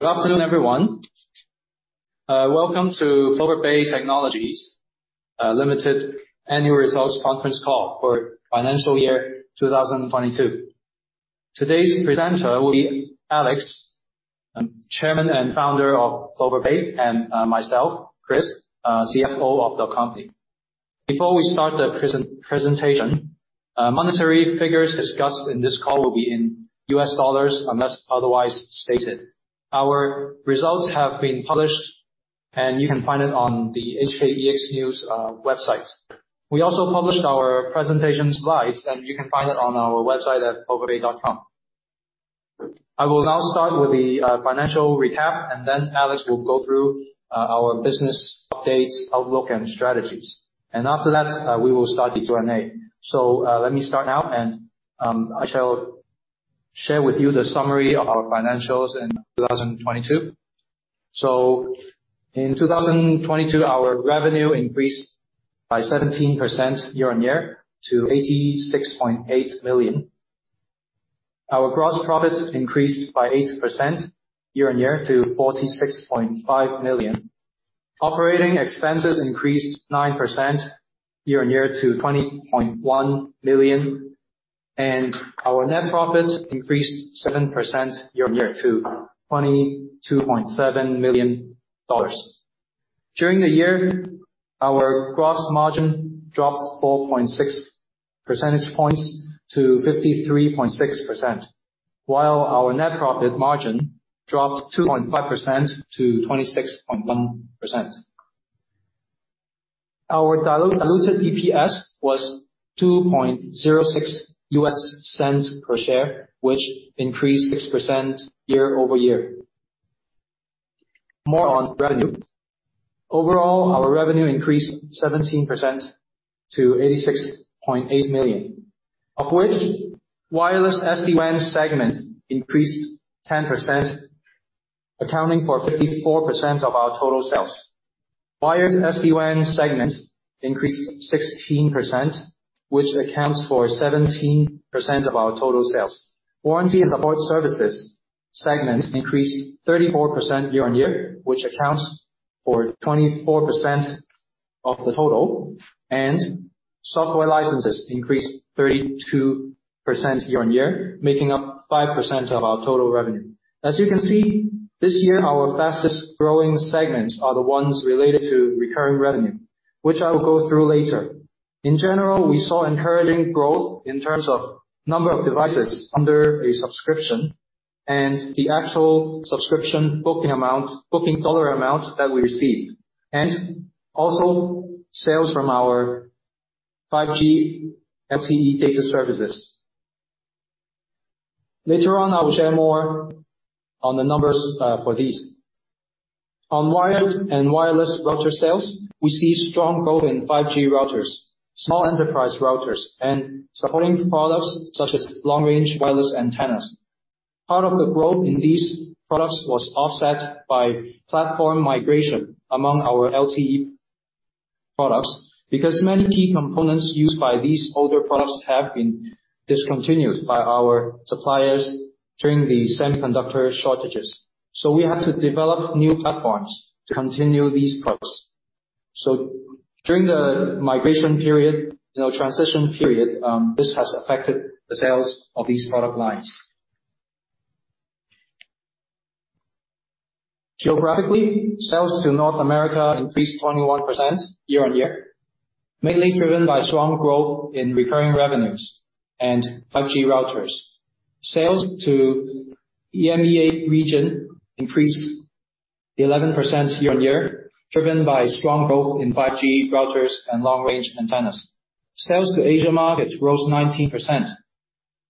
Good afternoon, everyone. Welcome to Plover Bay Technologies Limited annual results conference call for financial year 2022. Today's presenter will be Alex, chairman and founder of Plover Bay, and myself, Chris, CFO of the company. Before we start the presentation, monetary figures discussed in this call will be in US dollars unless otherwise stated. Our results have been published, you can find it on the HKEXnews website. We also published our presentation slides, you can find it on our website at ploverbay.com. I will now start with the financial recap, then Alex will go through our business updates, outlook, and strategies. After that, we will start the Q&A. Let me start now, I shall share with you the summary of our financials in 2022. In 2022, our revenue increased by 17% year-on-year to $86.8 million. Our gross profit increased by 8% year-on-year to $46.5 million. Operating expenses increased 9% year-on-year to $20.1 million. Our net profit increased 7% year-on-year to $22.7 million. During the year, our gross margin dropped 4.6 percentage points to 53.6%, while our net profit margin dropped 2.5% to 26.1%. Our diluted EPS was $0.0206 per share, which increased 6% year-over-year. More on revenue. Overall, our revenue increased 17% to $86.8 million, of which wireless SD-WAN segment increased 10%, accounting for 54% of our total sales. Wired SD-WAN segment increased 16%, which accounts for 17% of our total sales. Warranty and support services segment increased 34% year-on-year, which accounts for 24% of the total. Software licenses increased 32% year-on-year, making up 5% of our total revenue. As you can see, this year our fastest-growing segments are the ones related to recurring revenue, which I will go through later. In general, we saw encouraging growth in terms of number of devices under a subscription and the actual subscription booking dollar amount that we received. Also sales from our 5G LTE data services. Later on, I will share more on the numbers for these. On wired and wireless router sales, we see strong growth in 5G routers, small enterprise routers and supporting products such as long-range wireless antennas. Part of the growth in these products was offset by platform migration among our LTE products, because many key components used by these older products have been discontinued by our suppliers during the semiconductor shortages. We had to develop new platforms to continue these products. During the migration period, you know, transition period, this has affected the sales of these product lines. Geographically, sales to North America increased 21% year-over-year, mainly driven by strong growth in recurring revenues and 5G routers. Sales to EMEA region increased 11% year-over-year, driven by strong growth in 5G routers and long-range antennas. Sales to Asia market rose 19%.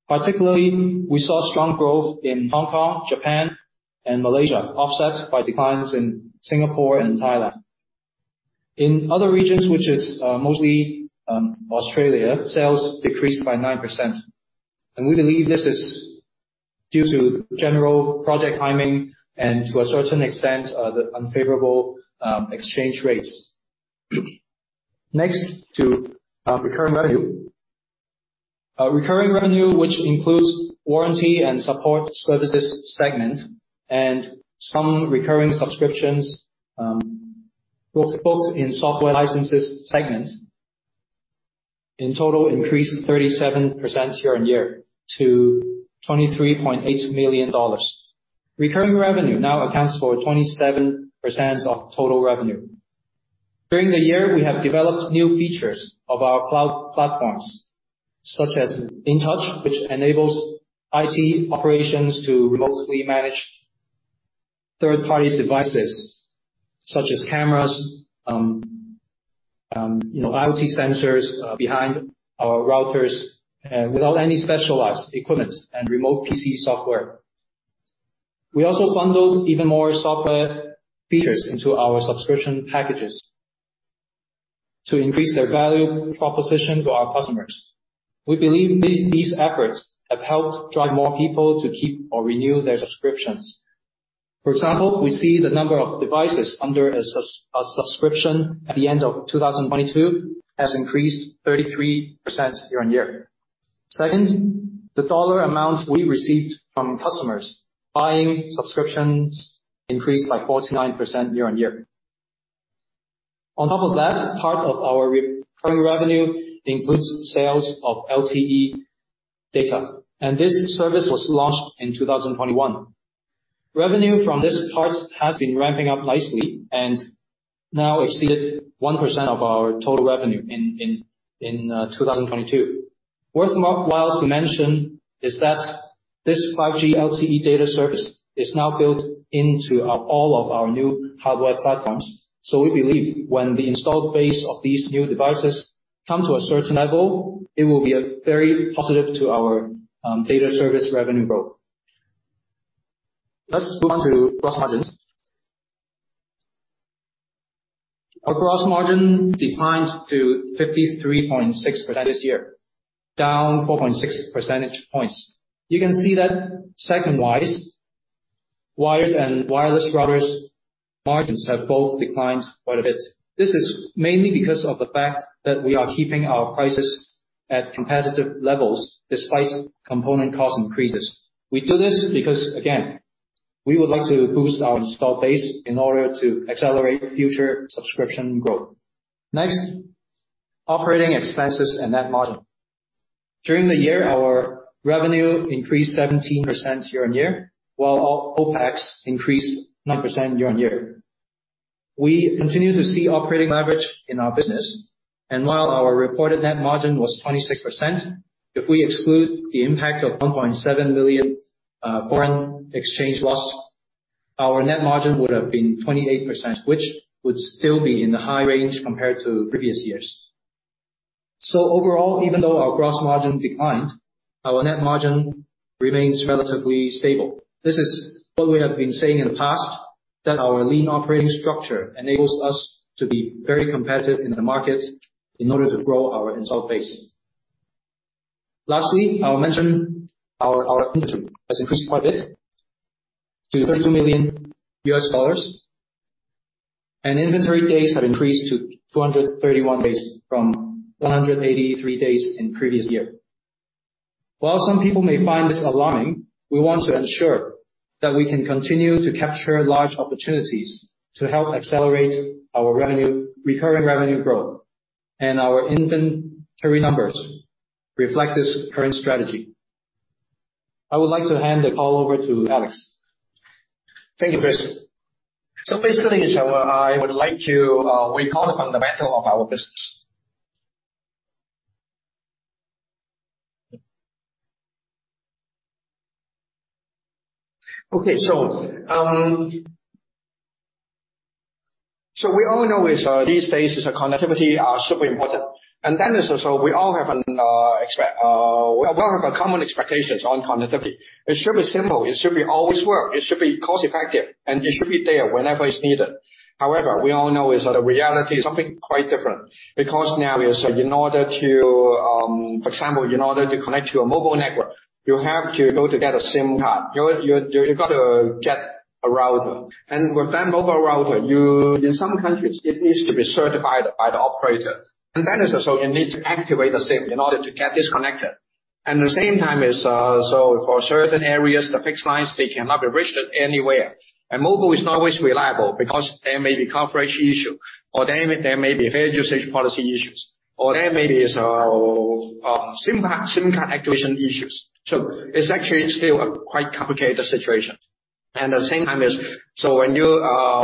Particularly, we saw strong growth in Hong Kong, Japan and Malaysia, offset by declines in Singapore and Thailand. In other regions, which is mostly Australia, sales decreased by 9%. We believe this is due to general project timing and to a certain extent, the unfavorable exchange rates. Next to recurring revenue. Recurring revenue, which includes warranty and support services segment and some recurring subscriptions, booked in software licenses segment, in total increased 37% year-on-year to $23.8 million. Recurring revenue now accounts for 27% of total revenue. During the year, we have developed new features of our cloud platforms, such as InTouch, which enables IT operations to remotely manage third-party devices such as cameras, you know, IoT sensors behind our routers, without any specialized equipment and remote PC software. We also bundled even more software features into our subscription packages to increase their value proposition to our customers. We believe these efforts have helped drive more people to keep or renew their subscriptions. For example, we see the number of devices under a subscription at the end of 2022 has increased 33% year-on-year. Second, the dollar amounts we received from customers buying subscriptions increased by 49% year-on-year. On top of that, part of our recurring revenue includes sales of LTE data, and this service was launched in 2021. Revenue from this part has been ramping up nicely and now exceeded 1% of our total revenue in 2022. Worthwhile to mention is that this 5G LTE data service is now built into our, all of our new hardware platforms. We believe when the installed base of these new devices come to a certain level, it will be very positive to our data service revenue growth. Let's move on to gross margins. Our gross margin declined to 53.6% this year, down 4.6 percentage points. You can see that second wise, wired and wireless routers margins have both declined quite a bit. This is mainly because of the fact that we are keeping our prices at competitive levels despite component cost increases. We do this because, again, we would like to boost our installed base in order to accelerate future subscription growth. Next, operating expenses and net margin. During the year, our revenue increased 17% year-on-year, while OPEX increased 9% year-on-year. We continue to see operating leverage in our business. While our reported net margin was 26%, if we exclude the impact of $1.7 million foreign exchange loss, our net margin would have been 28%, which would still be in the high range compared to previous years. Overall, even though our gross margin declined, our net margin remains relatively stable. This is what we have been saying in the past, that our lean operating structure enables us to be very competitive in the market in order to grow our installed base. Lastly, I'll mention our inventory has increased quite a bit to $32 million. Inventory days have increased to 231 days from 183 days in previous year. While some people may find this alarming, we want to ensure that we can continue to capture large opportunities to help accelerate our revenue, recurring revenue growth. Our inventory numbers reflect this current strategy. I would like to hand the call over to Alex. Thank you, Chris. Basically, I would like to recall the fundamental of our business. Okay, we all know is these days is connectivity are super important. That is we all have an expect, we all have a common expectations on connectivity. It should be simple, it should be always work, it should be cost-effective, and it should be there whenever it's needed. However, we all know is that the reality is something quite different, because now is in order to. For example, in order to connect to a mobile network, you have to go to get a SIM card. You gotta get a router. With that mobile router, you in some countries, it needs to be certified by the operator. That is also you need to activate a SIM in order to get this connected. The same time is, so for certain areas, the fixed lines, they cannot be reached anywhere. Mobile is not always reliable because there may be coverage issue, or there may be fair usage policy issues, or there may be SIM card activation issues. It's actually still a quite complicated situation. The same time is, so when you,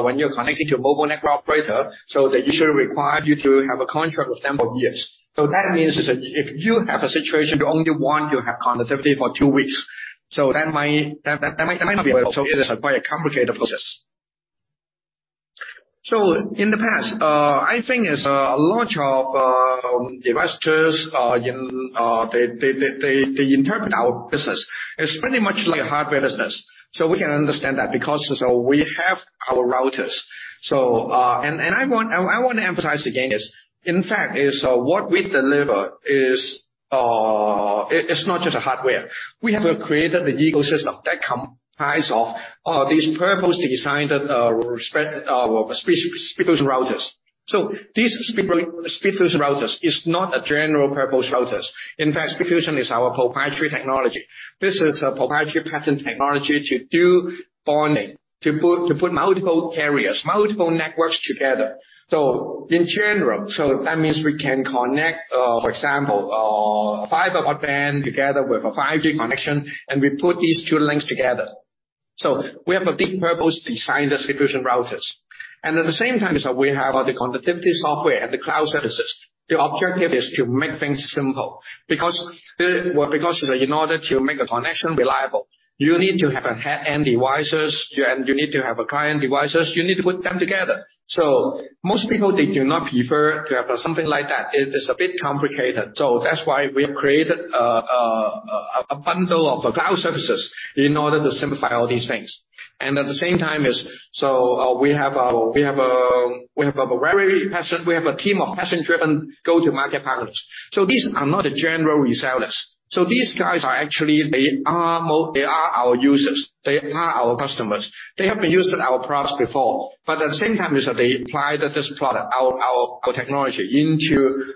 when you're connecting to a Mobile Network Operator, so they usually require you to have a contract with them for years. That means is if you have a situation you only want to have connectivity for two weeks. That might not be available. It is a quite a complicated process. In the past, I think is a lot of investors in, they interpret our business as pretty much like a hardware business. We can understand that because, so we have our routers. And I want to emphasize again is, in fact, is what we deliver is, it's not just a hardware. We have created the ecosystem that comprise of these purpose-designed speedboost routers. These speedboost routers is not a general purpose routers. In fact, SpeedFusion is our proprietary technology. This is a proprietary patent technology to do bonding, to put multiple carriers, multiple networks together. In general, so that means we can connect, for example, fiber broadband together with a 5G connection, and we put these two links together. We have a big purpose-designed distribution routers. At the same time is that we have the connectivity software and the cloud services. The objective is to make things simple. Well, because in order to make a connection reliable, you need to have an hand devices, you, and you need to have a client devices, you need to put them together. Most people, they do not prefer to have something like that. It is a bit complicated. That's why we have created a bundle of cloud services in order to simplify all these things. At the same time is, so, we have a team of passion-driven go-to-market partners. These are not the general resellers. These guys are actually, they are our users. They are our customers. They have been using our products before. At the same time is they apply this product, our technology, into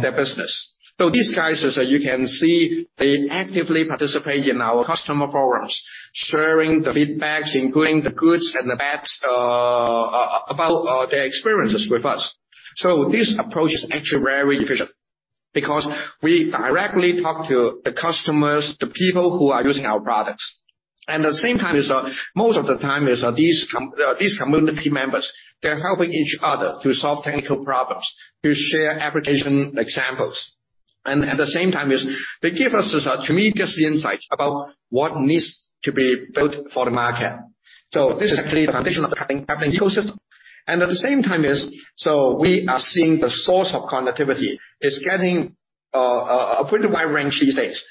their business. These guys, as you can see, they actively participate in our customer forums, sharing the feedbacks, including the goods and the bads about their experiences with us. This approach is actually very efficient. Because we directly talk to the customers, the people who are using our products. At the same time is, most of the time is these community members, they're helping each other to solve technical problems, to share application examples. At the same time is, they give us tremendous insights about what needs to be built for the market. This is actually the foundation of the Peplink ecosystem. At the same time is, we are seeing the source of connectivity. It's getting a pretty wide range these days.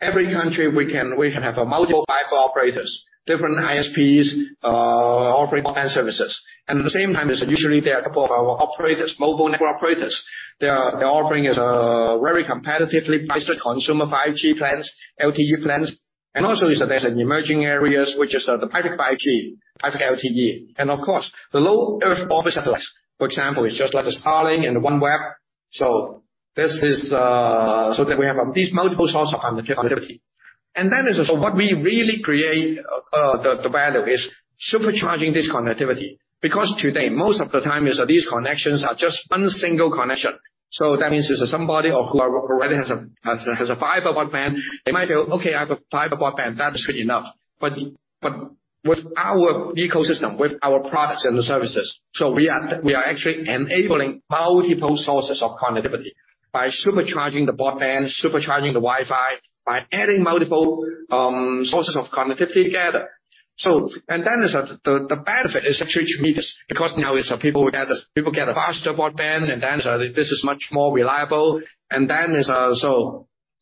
Every country we can, we can have multiple fiber operators, different ISPs, offering online services. At the same time is usually there are a couple of our operators, mobile network operators. They're offering us a very competitively priced consumer 5G plans, LTE plans. Also is there's an emerging areas, which is the private 5G, private LTE. Of course, the Low Earth Orbit satellites, for example, is just like Starlink and OneWeb. This is. That we have these multiple source of connectivity. Then is also what we really create the value is supercharging this connectivity. Because today, most of the time is these connections are just one single connection. That means is somebody or who already has a fiber broadband, they might feel, "Okay, I have a fiber broadband, that is good enough." With our ecosystem, with our products and the services, we are actually enabling multiple sources of connectivity by supercharging the broadband, supercharging the Wi-Fi, by adding multiple sources of connectivity together. The benefit is actually to meet us, because now people get a faster broadband, and then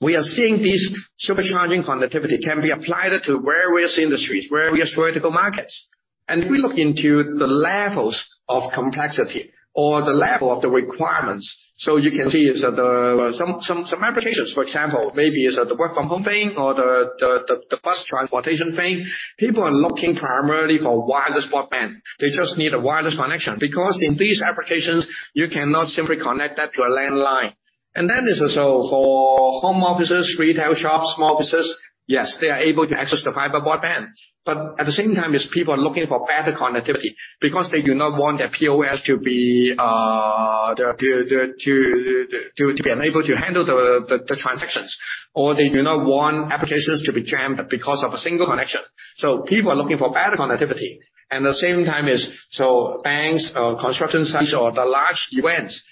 we are seeing this supercharging connectivity can be applied to various industries, various vertical markets. If we look into the levels of complexity or the level of the requirements. You can see is the... Some applications, for example, maybe is the work from home thing or the bus transportation thing. People are looking primarily for wireless broadband. They just need a wireless connection, because in these applications, you cannot simply connect that to a wired line. Is also for home offices, retail shops, small offices. Yes, they are able to access the fiber broadband. At the same time, people are looking for better connectivity because they do not want their POS to be unable to handle the transactions, or they do not want applications to be jammed because of a single connection. People are looking for better connectivity. At the same time, banks or construction sites or the large events.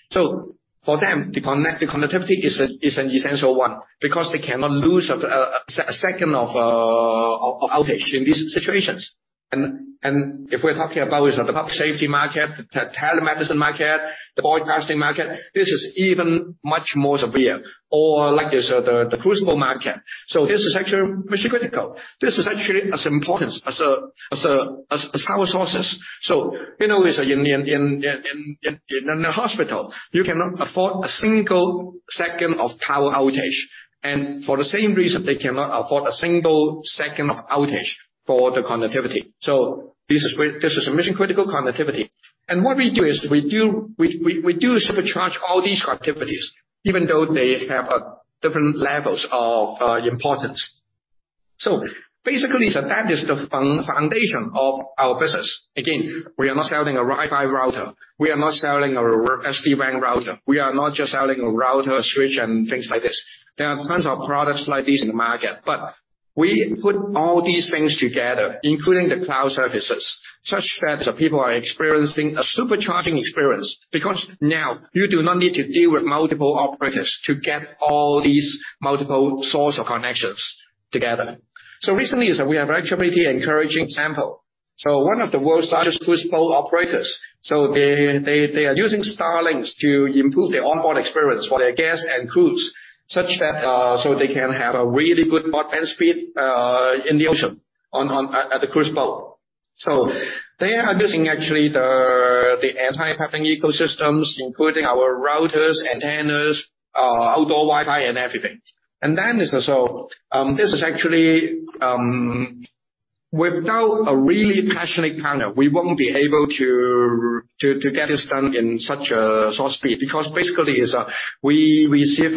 For them, the connectivity is an essential one because they cannot lose a second of outage in these situations. If we're talking about the public safety market, the telemedicine market, the broadcasting market. This is even much more severe. Like the cruise boat market. This is actually mission critical. This is actually as important as power sources. You know, in a hospital, you cannot afford a single second of power outage. For the same reason, they cannot afford a single second of outage for the connectivity. This is a mission-critical connectivity. What we do is we do supercharge all these connectivities, even though they have different levels of importance. Basically is that is the foundation of our business. Again, we are not selling a Wi-Fi router. We are not selling a SD-WAN router. We are not just selling a router, a switch and things like this. There are tons of products like this in the market, but we put all these things together, including the cloud services, such that people are experiencing a supercharging experience. Now you do not need to deal with multiple operators to get all these multiple source of connections together. Recently is we have actually pretty encouraging example. One of the world's largest cruise boat operators, they are using Starlink to improve the onboard experience for their guests and crews, such that they can have a really good broadband speed in the ocean on the cruise boat. They are using actually the Peplink ecosystems, including our routers, antennas, outdoor Wi-Fi and everything. This is also, actually, without a really passionate partner, we won't be able to get this done in such a soft speed. Basically, we receive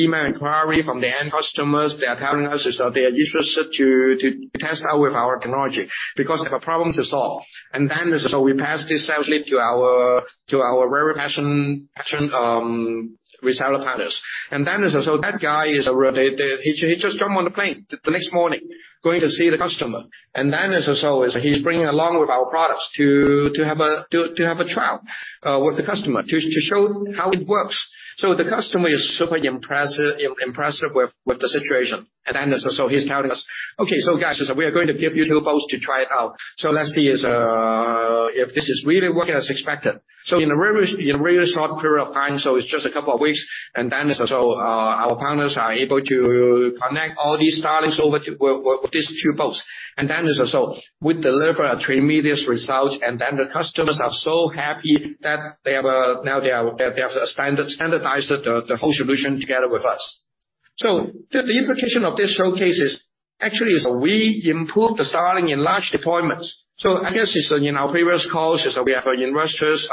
email inquiry from the end customers. They are telling us is that they are interested to test out with our technology because they have a problem to solve. We pass this actually to our very passion reseller partners. That guy he just jumped on the plane the next morning, going to see the customer. He's bringing along with our products to have a trial with the customer, to show how it works. The customer is super impressed with the situation. He's telling us, "Okay, guys, we are going to give you two boats to try it out. Let's see if this is really working as expected." In a very, in a very short period of time, it's just a couple of weeks, our partners are able to connect all these Starlinks over to with these two boats. We deliver a tremendous result. The customers are so happy that they have a standardized the whole solution together with us. The implication of this showcase is actually we improve Starlink in large deployments. I guess in our previous calls we have investors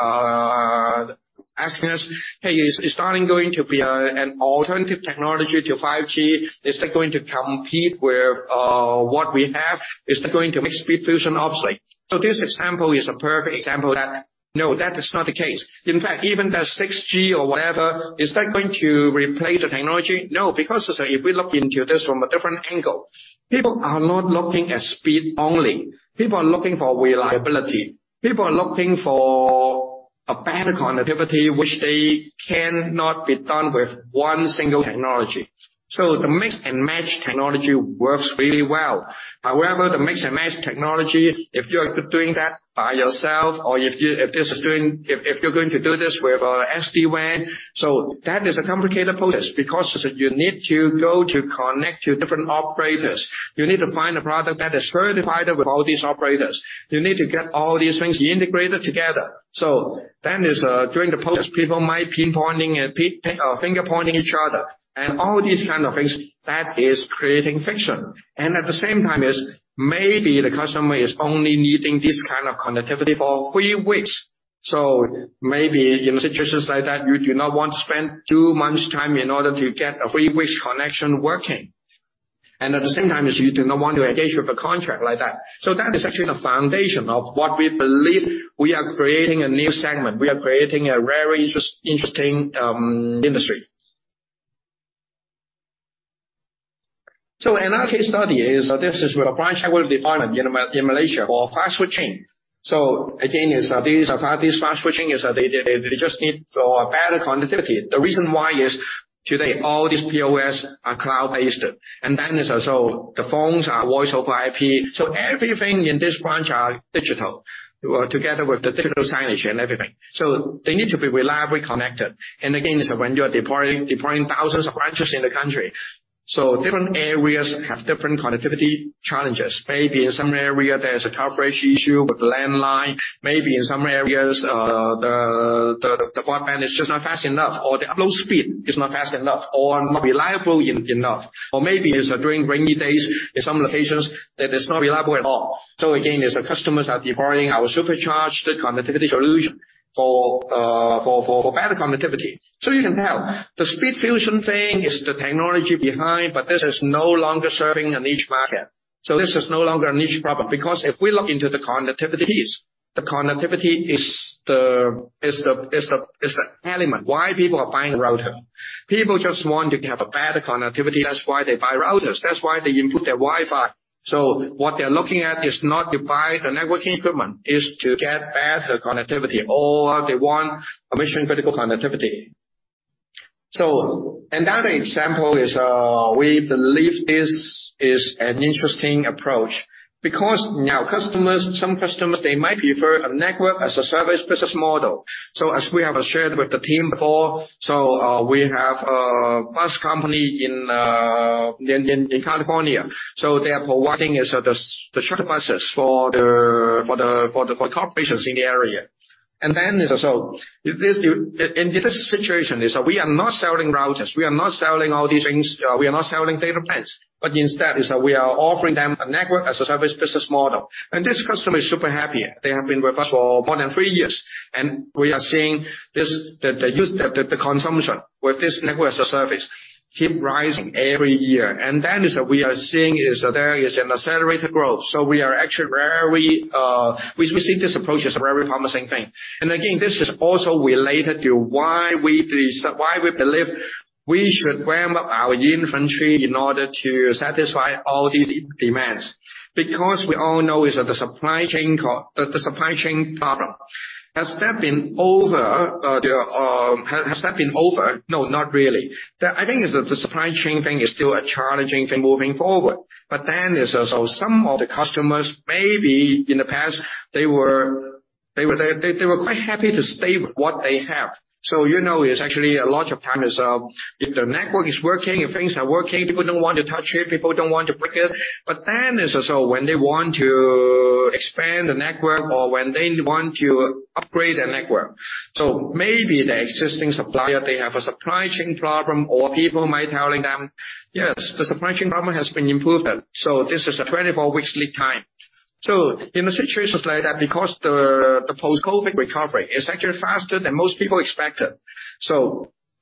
asking us, "Hey, is Starlink going to be an alternative technology to 5G? Is that going to compete with what we have? Is that going to make SpeedFusion obsolete?" This example is a perfect example that. No, that is not the case. In fact, even the 6G or whatever, is that going to replace the technology? No. Because if we look into this from a different angle, people are not looking at speed only. People are looking for reliability. People are looking for a better connectivity which they can not be done with one single technology. The mix-and-match technology works really well. However, the mix-and-match technology, if you're doing that by yourself or if you're going to do this with SD-WAN. That is a complicated process, because you need to go to connect to different operators. You need to find a product that is certified with all these operators. You need to get all these things integrated together. That is during the process, people might pinpointing or finger-pointing each other, and all these kind of things that is creating friction. At the same time is, maybe the customer is only needing this kind of connectivity for three weeks. Maybe in situations like that, you do not want to spend two months' time in order to get a three weeks connection working. At the same time is you do not want to engage with a contract like that. That is actually the foundation of what we believe we are creating a new segment. We are creating a very interesting industry. In our case study is, this is where a branch would have deployment in Malaysia for fast food chain. Again, is these are parties fast food chain, is that they just need for a better connectivity. The reason why is today all these POS are cloud-based. As a sole, the phones are Voice over IP. Everything in this branch are digital, together with the digital signage and everything. They need to be reliably connected. Again, is when you are deploying thousands of branches in the country. Different areas have different connectivity challenges. Maybe in some area, there's a coverage issue with the landline. Maybe in some areas, the broadband is just not fast enough, or the upload speed is not fast enough or not reliable enough. Maybe is during rainy days in some locations that is not reliable at all. Again, is the customers are deploying our supercharged connectivity solution for better connectivity. You can tell the SpeedFusion thing is the technology behind, but this is no longer serving a niche market. This is no longer a niche problem, because if we look into the connectivities, the connectivity is the element why people are buying router. People just want to have a better connectivity, that's why they buy routers, that's why they input their Wi-Fi. What they're looking at is not to buy the networking equipment, is to get better connectivity or they want a mission-critical connectivity. Another example is, we believe this is an interesting approach, because now some customers, they might prefer a network-as-a-service business model. As we have shared with the team before, we have a bus company in California. They are providing the shuttle buses for corporations in the area. In this situation is we are not selling routers, we are not selling all these things, we are not selling data plans, but instead is that we are offering them a network-as-a-service business model. This customer is super happy. They have been with us for more than three years, and we are seeing the use, the consumption with this Network as a Service keep rising every year. Is that we are seeing is there is an accelerated growth. So we are actually very. We see this approach as a very promising thing. Again, this is also related to why we believe we should ramp up our inventory in order to satisfy all these demands. We all know is that the supply chain problem. Has that been over? No, not really. I think the supply chain thing is still a challenging thing moving forward. Some of the customers, maybe in the past, they were quite happy to stay with what they have. You know, it's actually a lot of times, if the network is working and things are working, people don't want to touch it, people don't want to break it. Also when they want to expand the network or when they want to upgrade their network. Maybe the existing supplier, they have a supply chain problem, or people might telling them, "Yes, the supply chain problem has been improved then. So this is a 24 weeks lead time." In the situations like that, because the post-COVID recovery is actually faster than most people expected.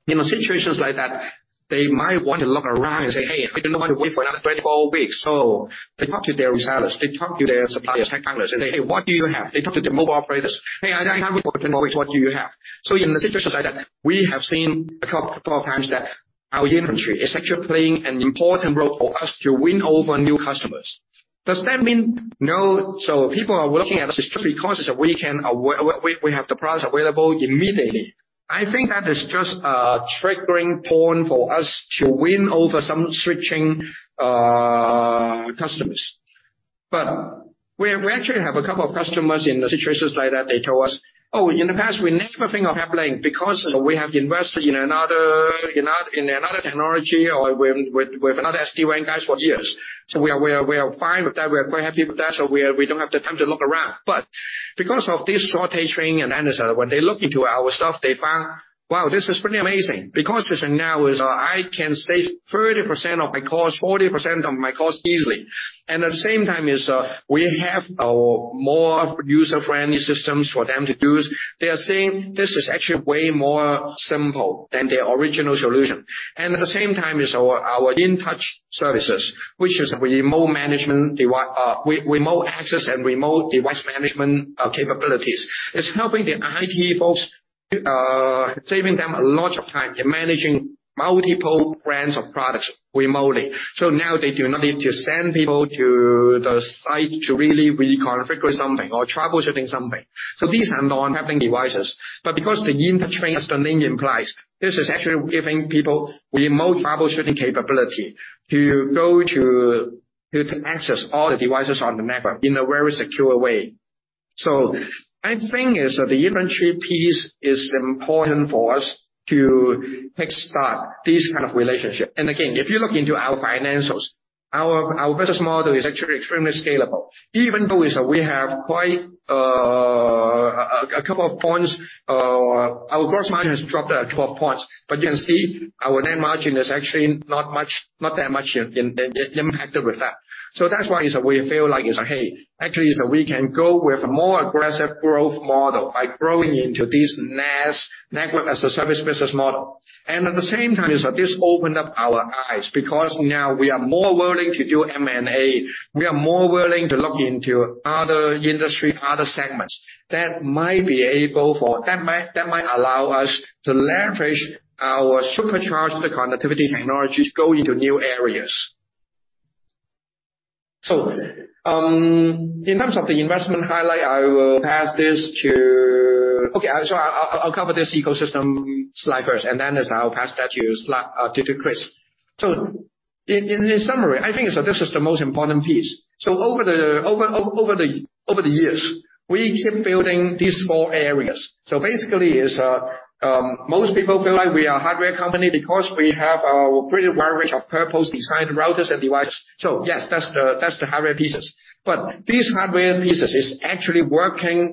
In situations like that, they might want to look around and say, "Hey, I do not want to wait for another 24 weeks." They talk to their resellers, they talk to their suppliers, tech partners, and say, "Hey, what do you have?" They talk to their mobile operators, "Hey, I can't wait 20 more weeks. What do you have?" In the situations like that, we have seen a couple of times that our inventory is actually playing an important role for us to win over new customers. Does that mean no? People are looking at us just because is that we have the products available immediately. I think that is just a triggering point for us to win over some switching customers. We actually have a couple of customers in the situations like that, they tell us, "Oh, in the past, we never think of Peplink because we have invested in another, in another technology or with another SD-WAN guys for years." We are fine with that. We are quite happy with that. We don't have the time to look around. Because of this shortage thing also when they look into our stuff, they found, wow, this is pretty amazing. Because as of now is, I can save 30% of my cost, 40% of my cost easily. At the same time is, we have a more user-friendly systems for them to use. They are saying this is actually way more simple than their original solution. At the same time is our InTouch services, which is remote management remote access and remote device management capabilities. It's helping the IT folks, saving them a lot of time in managing multiple brands of products remotely. Now they do not need to send people to the site to really reconfigure something or troubleshooting something. These are non-Peplink devices. Because the InTouch, as the name implies, this is actually giving people remote troubleshooting capability to access all the devices on the network in a very secure way. I think is the InTouch piece is important for us to kick-start this kind of relationship. Again, if you look into our financials, our business model is actually extremely scalable. Even though is that we have quite a couple of points, our gross margin has dropped at 12 points. You can see our net margin is actually not that much impacted with that. That's why is that we feel like is that, hey, actually, is that we can go with a more aggressive growth model by growing into this NaaS, Network as a Service business model. At the same time, is that this opened up our eyes, because now we are more willing to do M&A. We are more willing to look into other industry, other segments that might allow us to leverage our supercharged connectivity technologies to go into new areas. In terms of the investment highlight, I will pass this to... Okay, I'm sorry. I'll cover this ecosystem slide first. I'll pass that to Chris. In summary, I think that this is the most important piece. Over the years, we keep building these four areas. Basically, most people feel like we are a hardware company because we have a pretty wide range of purpose-designed routers and devices. Yes, that's the hardware pieces. These hardware pieces is actually working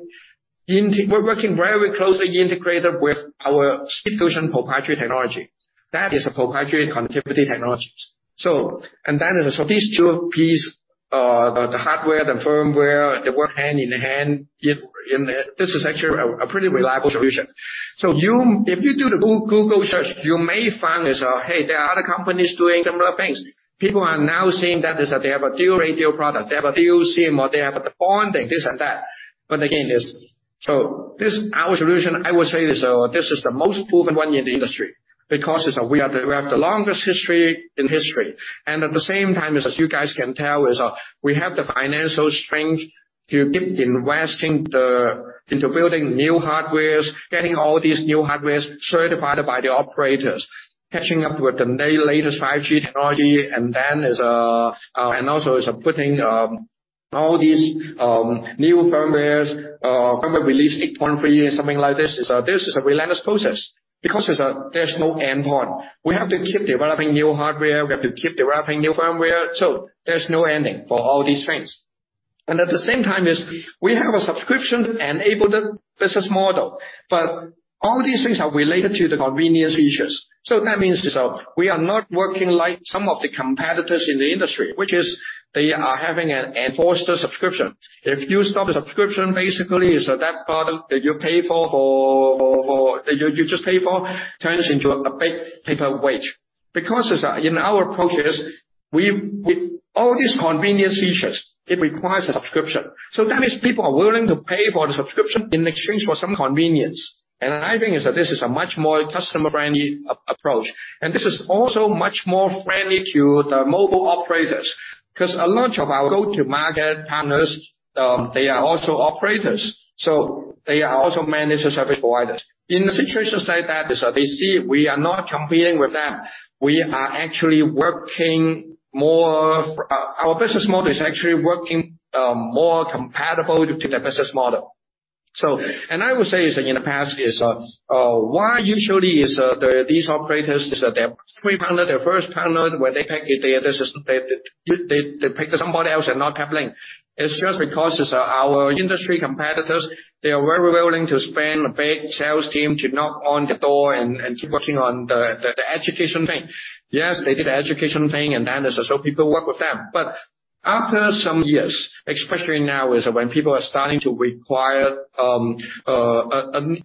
very closely integrated with our SpeedFusion proprietary technology. That is a proprietary connectivity technologies. These two piece, the hardware, the firmware, they work hand in hand. This is actually a pretty reliable solution. If you do the Google search, you may find is, hey, there are other companies doing similar things. People are now saying that is that they have a dual radio product, they have a dual SIM, or they have the bonding, this and that. Again, our solution, I will say this is the most proven one in the industry, because we have the longest history in history. At the same time, as you guys can tell, we have the financial strength to keep investing into building new hardwares, getting all these new hardwares certified by the operators, catching up with the very latest 5G technology. Also is putting all these new firmwares, firmware release 8.3 something like this. This is a relentless process, because there's no endpoint. We have to keep developing new hardware. We have to keep developing new firmware. There's no ending for all these things. At the same time, we have a subscription-enabled business model, but all these things are related to the convenience features. That means we are not working like some of the competitors in the industry, which they are having an enforced subscription. If you stop the subscription, basically, that product that you pay for turns into a big paperweight. In our approaches, with all these convenience features, it requires a subscription. That means people are willing to pay for the subscription in exchange for some convenience. I think is that this is a much more customer-friendly approach, and this is also much more friendly to the mobile operators. A lot of our go-to-market partners, they are also operators, so they are also managed service providers. In a situation like that, is that they see we are not competing with them. We are actually working more. Our business model is actually working more compatible to their business model. I will say is that in the past years, why usually is these operators is that their three partner, their first partner, when they pick a DNS, they pick somebody else and not Peplink. It's just because is our industry competitors, they are very willing to spend a big sales team to knock on the door and keep working on the education thing. They did the education thing people work with them. After some years, especially now, is that when people are starting to require an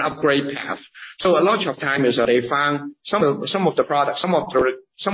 upgrade path. A lot of time is that they find some of the products, some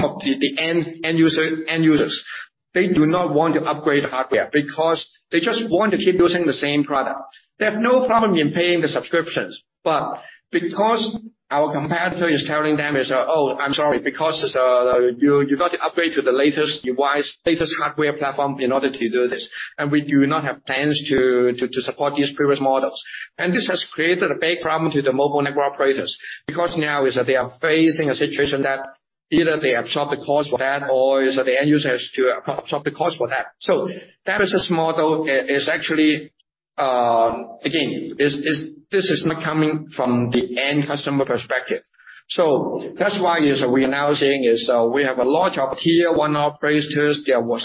of the end user, end users, they do not want to upgrade the hardware because they just want to keep using the same product. They have no problem in paying the subscriptions, because our competitor is telling them is that, "Oh, I'm sorry, because you got to upgrade to the latest device, latest hardware platform in order to do this. We do not have plans to support these previous models. This has created a big problem to the Mobile Network Operators, because now is that they are facing a situation that either they absorb the cost for that or is that the end user has to absorb the cost for that. That business model is actually again, is this is not coming from the end customer perspective. That's why is we are now seeing we have a lot of tier one operators. Well,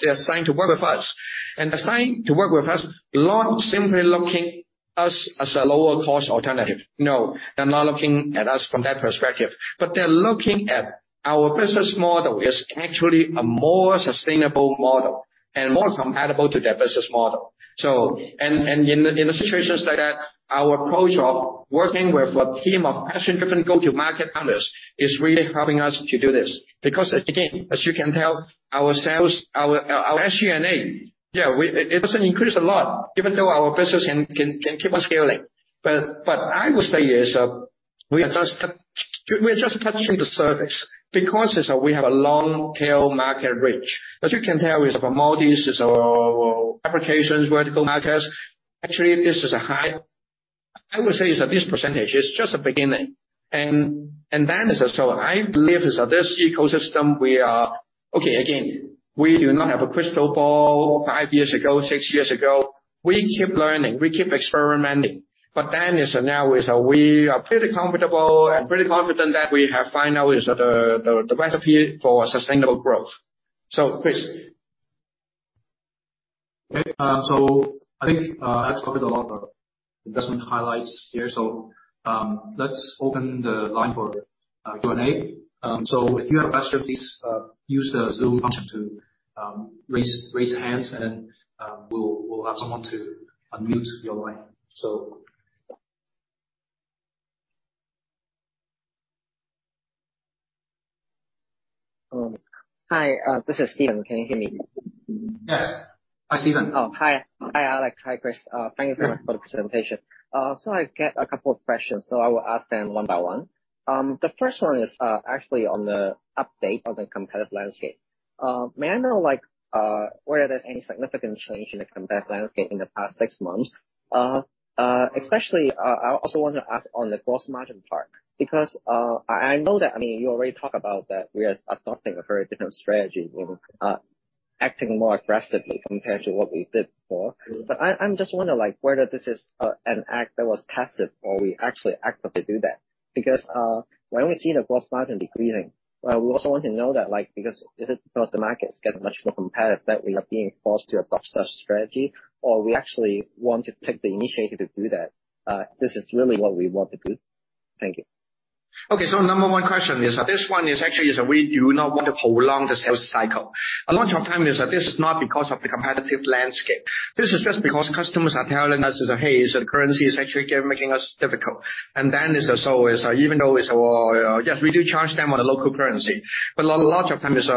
they're starting to work with us. They're starting to work with us, not simply looking us as a lower cost alternative. No, they're not looking at us from that perspective, but they're looking at our business model is actually a more sustainable model and more compatible to their business model. In a situation like that, our approach of working with a team of passion-driven go-to-market partners is really helping us to do this. Again, as you can tell, our sales, our SG&A, yeah, it doesn't increase a lot even though our business can keep on scaling. I would say, We are just touching the surface because is we have a long tail market reach. As you can tell, with our MODIs, with our applications, vertical markets, actually this is a high. I would say is that this % is just a beginning. I believe is that this ecosystem we are. Okay, again, we do not have a crystal ball five years ago, six years ago. We keep learning, we keep experimenting. We are pretty comfortable and pretty confident that we have find out is the recipe for sustainable growth. Chris. Okay. I think that's covered a lot of investment highlights here. Let's open the line for Q&A. If you have a question, please use the Zoom function to raise hands and we'll have someone to unmute your line. This is Steven. Can you hear me? Yes. Hi, Steven. Hi. Hi, Alex. Hi, Chris. Thank you very much for the presentation. I get a couple of questions, so I will ask them one by one. The first one is actually on the update on the competitive landscape. May I know, like, whether there's any significant change in the competitive landscape in the past six months? Especially, I also want to ask on the gross margin part, because, I know that, I mean, you already talked about that we are adopting a very different strategy with acting more aggressively compared to what we did before. I'm just wondering, like, whether this is an act that was passive or we actually actively do that. When we see the gross margin decreasing, we also want to know that, like, is it because the market is getting much more competitive that we are being forced to adopt such strategy, or we actually want to take the initiative to do that? This is really what we want to do. Thank you. Okay. Number one question is, this one actually we do not want to prolong the sales cycle. A lot of time is that this is not because of the competitive landscape. This is just because customers are telling us, "Hey, the currency is actually making us difficult." Is, is, even though is, yes, we do charge them on a local currency. A lot of times is,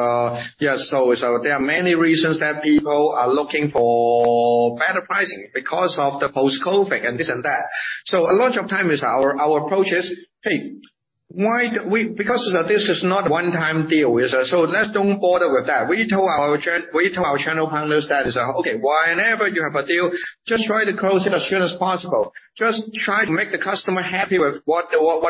yes, is, there are many reasons that people are looking for better pricing because of the post-COVID and this and that. A lot of times our approach is, "Hey, why we Because this is not a one-time deal, so let's don't bother with that." We tell our channel partners that, "Okay, whenever you have a deal, just try to close it as soon as possible. Just try to make the customer happy with what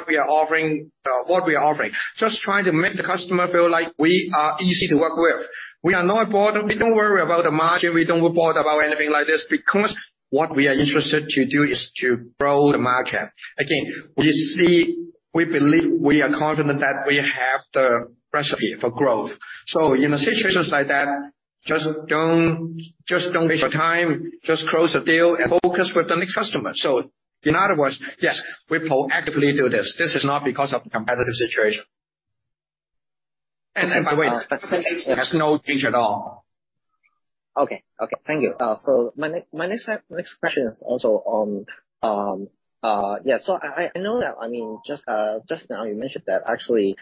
we are offering, what we are offering. Just try to make the customer feel like we are easy to work with. We are not bothered. We don't worry about the margin. We don't bother about anything like this, because what we are interested to do is to grow the market. Again, we see, we believe, we are confident that we have the recipe for growth. In situations like that, just don't waste your time, just close the deal and focus with the next customer. In other words, yes, we proactively do this. This is not because of the competitive situation. By the way, there's no change at all. Okay. Okay, thank you. My next question is also on, yeah. I know that, I mean, just now you mentioned that actually,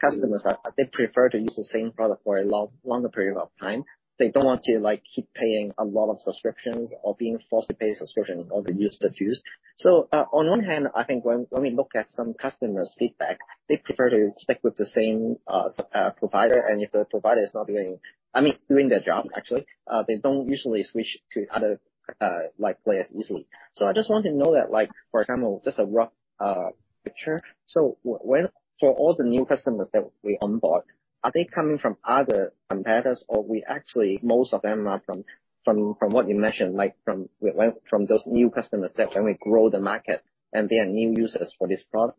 customers are... they prefer to use the same product for a longer period of time. They don't want to, like, keep paying a lot of subscriptions or being forced to pay subscriptions or the use. On one hand, I think when we look at some customers feedback, they prefer to stick with the same provider. If the provider is not doing their job, actually, they don't usually switch to other, like, players easily. I just want to know that, like, for example, just a rough picture. When for all the new customers that we onboard, are they coming from other competitors or we actually most of them are from what you mentioned, like well, from those new customers that when we grow the market and they are new users for this product?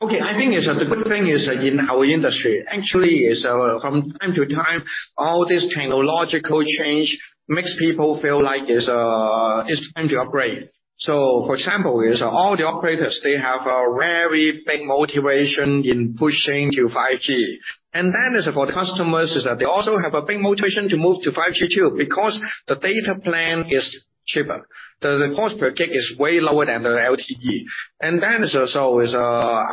Okay. I think the good thing is in our industry, actually, from time to time, all this technological change makes people feel like it's time to upgrade. For example, all the operators, they have a very big motivation in pushing to 5G. For the customers, they also have a big motivation to move to 5G too, because the data plan is cheaper. The cost per gig is way lower than the LTE.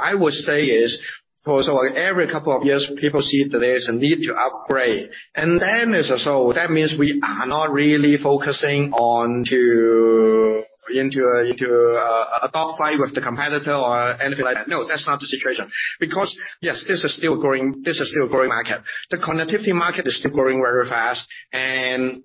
I would say, so every couple of years, people see that there's a need to upgrade. That means we are not really focusing into a dog fight with the competitor or anything like that. No, that's not the situation. Yes, this is still growing, this is still growing market. The connectivity market is still growing very fast, and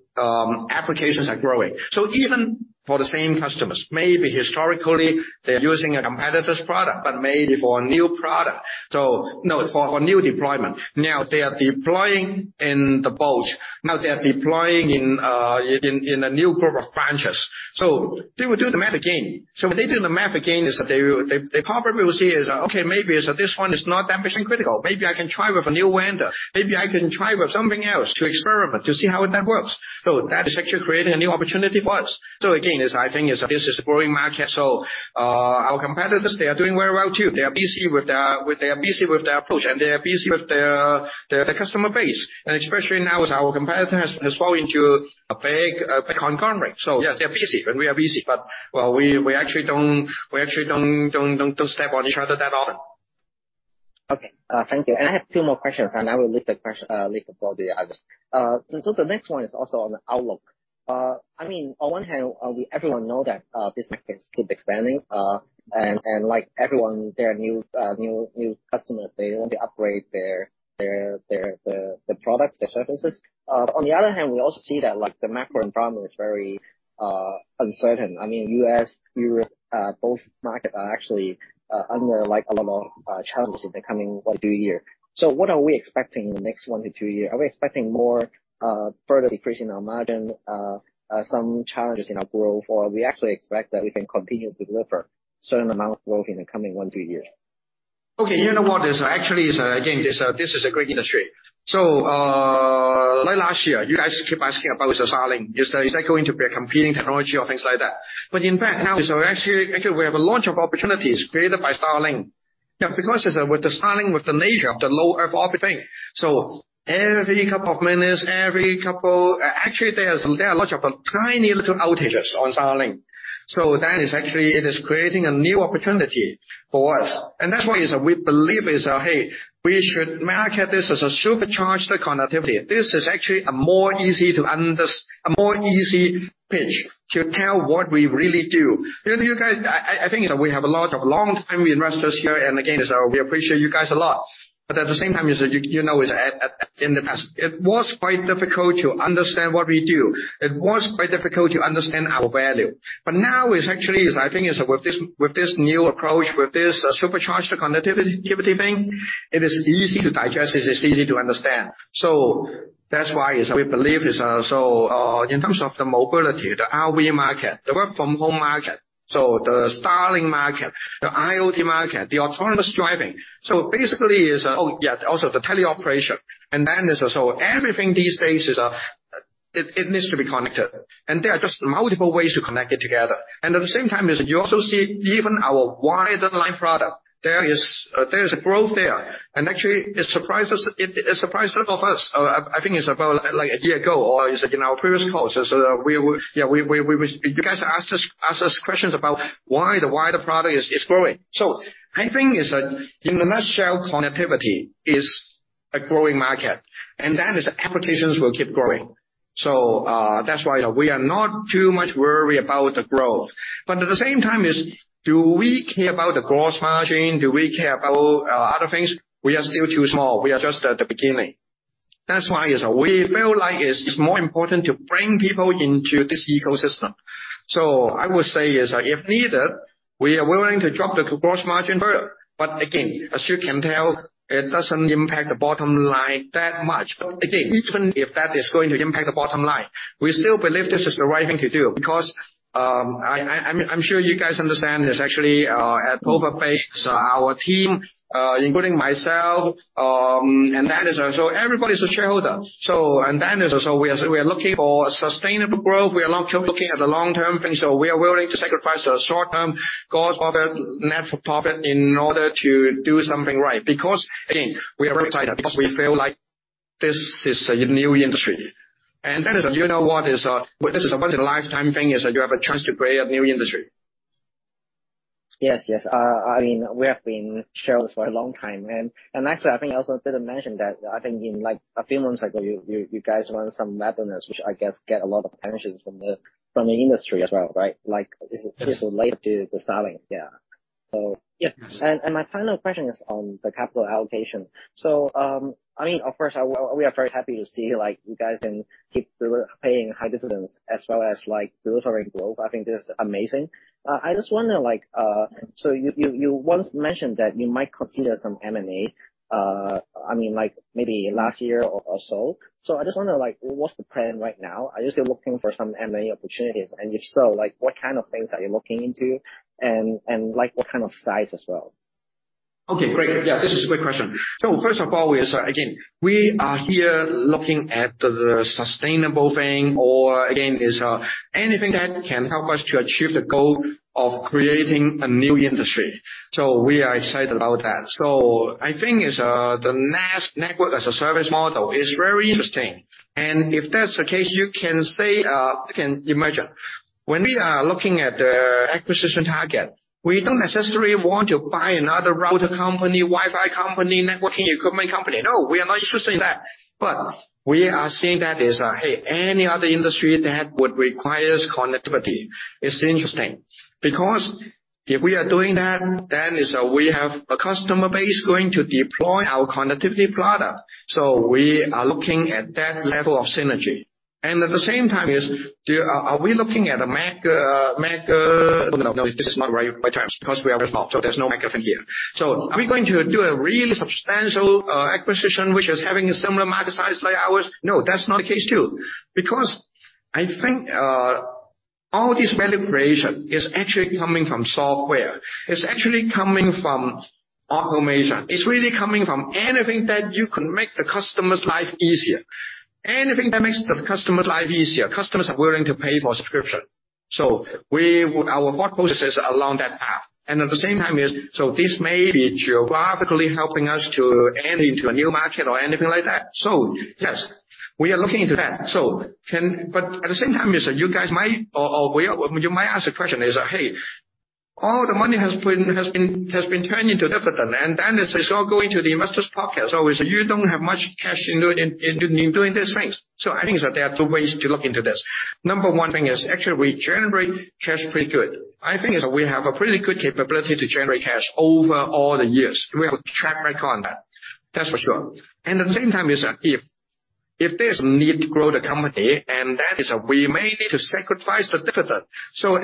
applications are growing. Even for the same customers, maybe historically, they're using a competitor's product, but maybe for a new product. No, for a new deployment. Now they are deploying in the bulge. Now they are deploying in a new group of branches. They will do the math again. When they do the math again is that they probably will see, okay, maybe this one is not that mission critical. Maybe I can try with a new vendor. Maybe I can try with something else to experiment, to see how that works. That is actually creating a new opportunity for us. Again, I think this is a growing market. Our competitors, they are doing very well too. They are busy with their approach, and they are busy with their customer base. Especially now our competitor has fallen into a big conglomerate. Yes, they are busy and we are busy, but, well, we actually don't step on each other that often. Okay, thank you. I have two more questions, and I will leave it for the others. The next one is also on the outlook. I mean, on one hand, everyone know that this market is still expanding, and like everyone, there are new customers. They want to upgrade their products, their services. On the other hand, we also see that like the macro environment is very uncertain. I mean, U.S., Europe, both market are actually under like a lot of challenges in the coming 1- 2 years. What are we expecting in the next 1-2 years? Are we expecting more further decrease in our margin, some challenges in our growth, or we actually expect that we can continue to deliver certain amount of growth in the coming 1-2 years? You know what? This actually is again, this is a great industry. Like last year, you guys keep asking about the Starlink. Is that going to be a competing technology or things like that. In fact, now is we're actually we have a launch of opportunities created by Starlink. Yeah, because with the Starlink, with the nature of the Low Earth Orbit thing, every couple of minutes, actually, there are a lot of tiny little outages on Starlink. That is actually, it is creating a new opportunity for us. That's why is we believe is, hey, we should market this as a supercharged connectivity. This is actually a more easy pitch to tell what we really do. You guys, I think that we have a lot of longtime investors here, and again, is, we appreciate you guys a lot. At the same time, you know, in the past, it was quite difficult to understand what we do. It was quite difficult to understand our value. Now it's actually I think with this new approach, with this supercharged connectivity thing, it is easy to digest this. It's easy to understand. That's why we believe, in terms of the mobility, the RV market, the work from home market, the Starlink market, the IoT market, the autonomous driving, basically. Oh, yeah, also the teleoperation. Everything these days needs to be connected. There are just multiple ways to connect it together. At the same time is you also see even our wired line product, there is a growth there. Actually it surprised us. It surprised all of us. I think it's about like a year ago or is, you know, previous calls is, we would. Yeah. We was. You guys asked us questions about why the wired line product is growing. I think is that in a nutshell, connectivity is a growing market, and that is applications will keep growing. That's why we are not too much worried about the growth. At the same time is do we care about the gross margin? Do we care about other things? We are still too small. We are just at the beginning. That's why is we feel like it's more important to bring people into this ecosystem. I would say is, if needed, we are willing to drop the gross margin further. Again, as you can tell, it doesn't impact the bottom line that much. Again, even if that is going to impact the bottom line, we still believe this is the right thing to do because, I'm sure you guys understand this actually, at Plover Bay, our team, including myself, and that is, everybody's a shareholder. And that is, we are looking for a sustainable growth. We are looking at the long-term thing. We are willing to sacrifice a short-term gross profit, net profit in order to do something right. Again, we are very excited because we feel like this is a new industry. That is, you know what? This is a once in a lifetime thing, is that you have a chance to create a new industry. Yes. Yes. I mean, we have been shareholders for a long time. Actually, I think I also didn't mention that, I think in like a few months ago, you guys won some webinars, which I guess get a lot of attention from the industry as well, right? Like, this relate to the Starlink. Yeah. Yeah. Yes. My final question is on the capital allocation. I mean, of course we are very happy to see like you guys can keep re- paying high dividends as well as like delivering growth. I think this is amazing. I just wonder, like, you once mentioned that you might consider some M&A, I mean, like maybe last year or so. I just wonder, like, what's the plan right now? Are you still looking for some M&A opportunities? If so, like what kind of things are you looking into and like what kind of size as well? Okay, great. This is a great question. First of all, we say again, we are here looking at the sustainable thing or again, is, anything that can help us to achieve the goal of creating a new industry. We are excited about that. I think is, the NaaS, Network as a Service model is very interesting. If that's the case, you can say, you can imagine when we are looking at the acquisition target, we don't necessarily want to buy another router company, Wi-Fi company, networking equipment company. No, we are not interested in that. We are seeing that is, hey, any other industry that would requires connectivity is interesting. If we are doing that, then is, we have a customer base going to deploy our connectivity product. We are looking at that level of synergy. At the same time, are we looking at a mega... No, this is not the right terms because we are very small, so there's no mega thing here. Are we going to do a really substantial acquisition, which is having a similar market size like ours? No, that's not the case, too. I think all this value creation is actually coming from software. It's actually coming from automation. It's really coming from anything that you can make the customer's life easier. Anything that makes the customer's life easier, customers are willing to pay for subscription. Our hypothesis is along that path. At the same time, this may be geographically helping us to enter into a new market or anything like that. Yes, we are looking into that. Can... At the same time is that you guys might or we are. You might ask a question is, hey, all the money has been turned into dividend, and then it's all going to the investors' pocket. You don't have much cash in doing these things. I think that there are two ways to look into this. Number one thing is, actually, we generate cash pretty good. I think we have a pretty good capability to generate cash over all the years. We have a track record on that. That's for sure. At the same time is if there's a need to grow the company, and that is, we may need to sacrifice the dividend.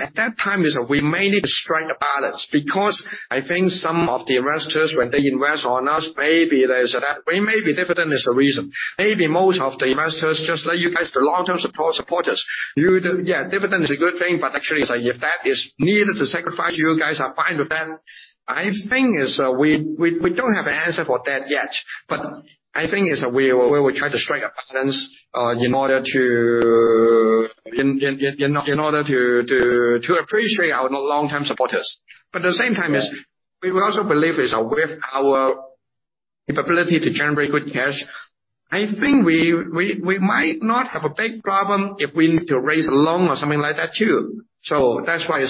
At that time is we may need to strike a balance, because I think some of the investors, when they invest on us, maybe there's that. Maybe dividend is the reason. Maybe most of the investors, just like you guys, the long-term support supporters, yeah, dividend is a good thing, but actually if that is needed to sacrifice, you guys are fine with that. I think is we don't have an answer for that yet. I think is we will try to strike a balance in order to appreciate our long-term supporters. At the same time is we will also believe is with our capability to generate good cash. I think we might not have a big problem if we need to raise a loan or something like that too. That's why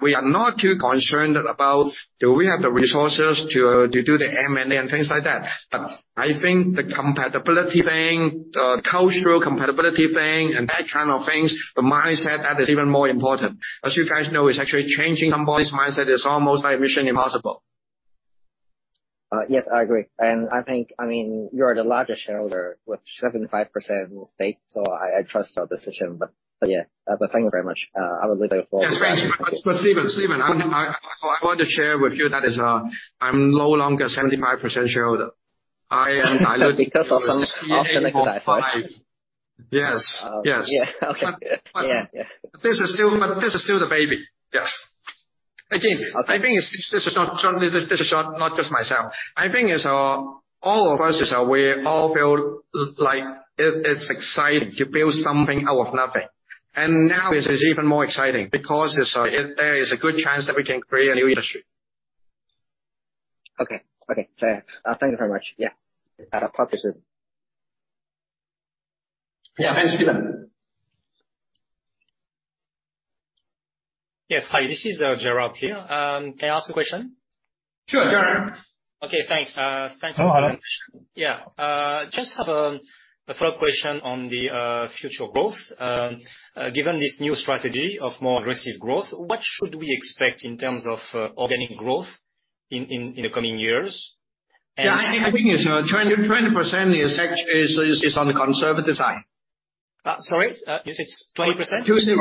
we are not too concerned about do we have the resources to do the M&A and things like that. I think the compatibility thing, the cultural compatibility thing and that kind of things, the mindset, that is even more important. As you guys know, it's actually changing somebody's mindset is almost like mission impossible. Yes, I agree. I think, I mean, you are the largest shareholder with 75% stake, so I trust your decision. Yeah. Thank you very much. I would leave the floor- Yes, Steven, I want to share with you that is, I'm no longer 75% shareholder. I am. Because of some stock exercise, right? Yes. Yes. Yeah. Okay. Yeah. Yeah. This is still the baby. Yes. I think this is not, this is not just myself. I think all of us, we all feel like it's exciting to build something out of nothing. Now it is even more exciting because there is a good chance that we can create a new industry. Okay. Okay. Fair. Thank you very much. Yeah. talk to you soon. Yeah. Thanks, Steven. Hi, this is Gerald here. Can I ask a question? Sure, Gerald. Okay, thanks. No problem. Yeah. Just have a third question on the future growth. Given this new strategy of more aggressive growth, what should we expect in terms of organic growth in the coming years? Yeah, I think is 20% is actually is on the conservative side. Sorry. You said 20%? 20.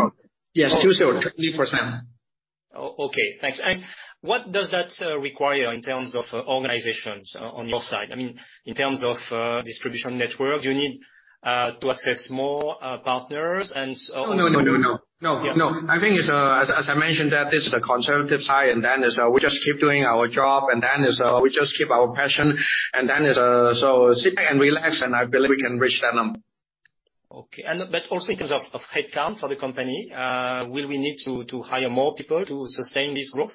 Yes. 20. 20%. Okay, thanks. What does that require in terms of organizations on your side? I mean, in terms of distribution network, you need to access more partners. No, no, no. No. No. I think it's, as I mentioned that this is a conservative side, and then is, we just keep doing our job, and then is, we just keep our passion, and then is, so sit back and relax, and I believe we can reach that number. Okay. Also in terms of headcount for the company, will we need to hire more people to sustain this growth?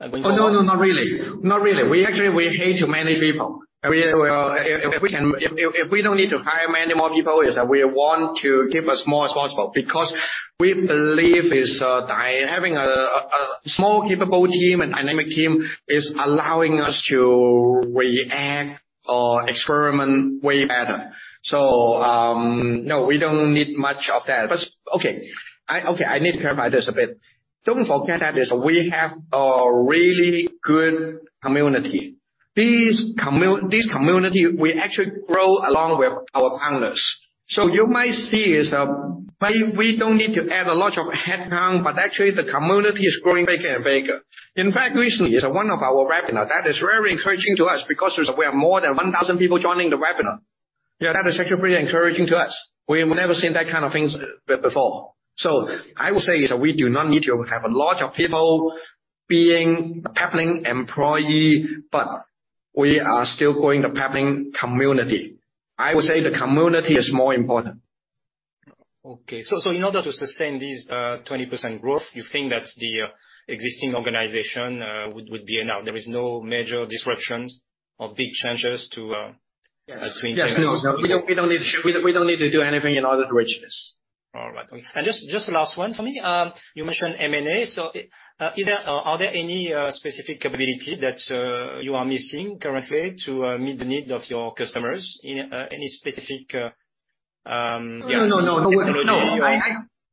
No, no, not really. Not really. We actually hate to manage people. If we don't need to hire many more people is that we want to keep as small as possible because we believe is having a small capable team and dynamic team is allowing us to react or experiment way better. No, we don't need much of that. Okay, I need to clarify this a bit. Don't forget that is we have a really good community. This community will actually grow along with our partners. You might see is we don't need to add a lot of headcount, but actually the community is growing bigger and bigger. In fact, recently is one of our webinar that is very encouraging to us because we have more than 1,000 people joining the webinar. Yeah, that is actually pretty encouraging to us. We've never seen that kind of things before. I will say we do not need to have a lot of people being a Peplink employee, but we are still growing the Peplink community. I would say the community is more important. Okay. In order to sustain this 20% growth, you think that the existing organization would be enough? There is no major disruptions or big changes to? Yes. -between We don't need to do anything in order to reach this. Just last one for me. You mentioned M&A. Either are there any specific capability that you are missing currently to meet the need of your customers? Any specific? No, no, no. No.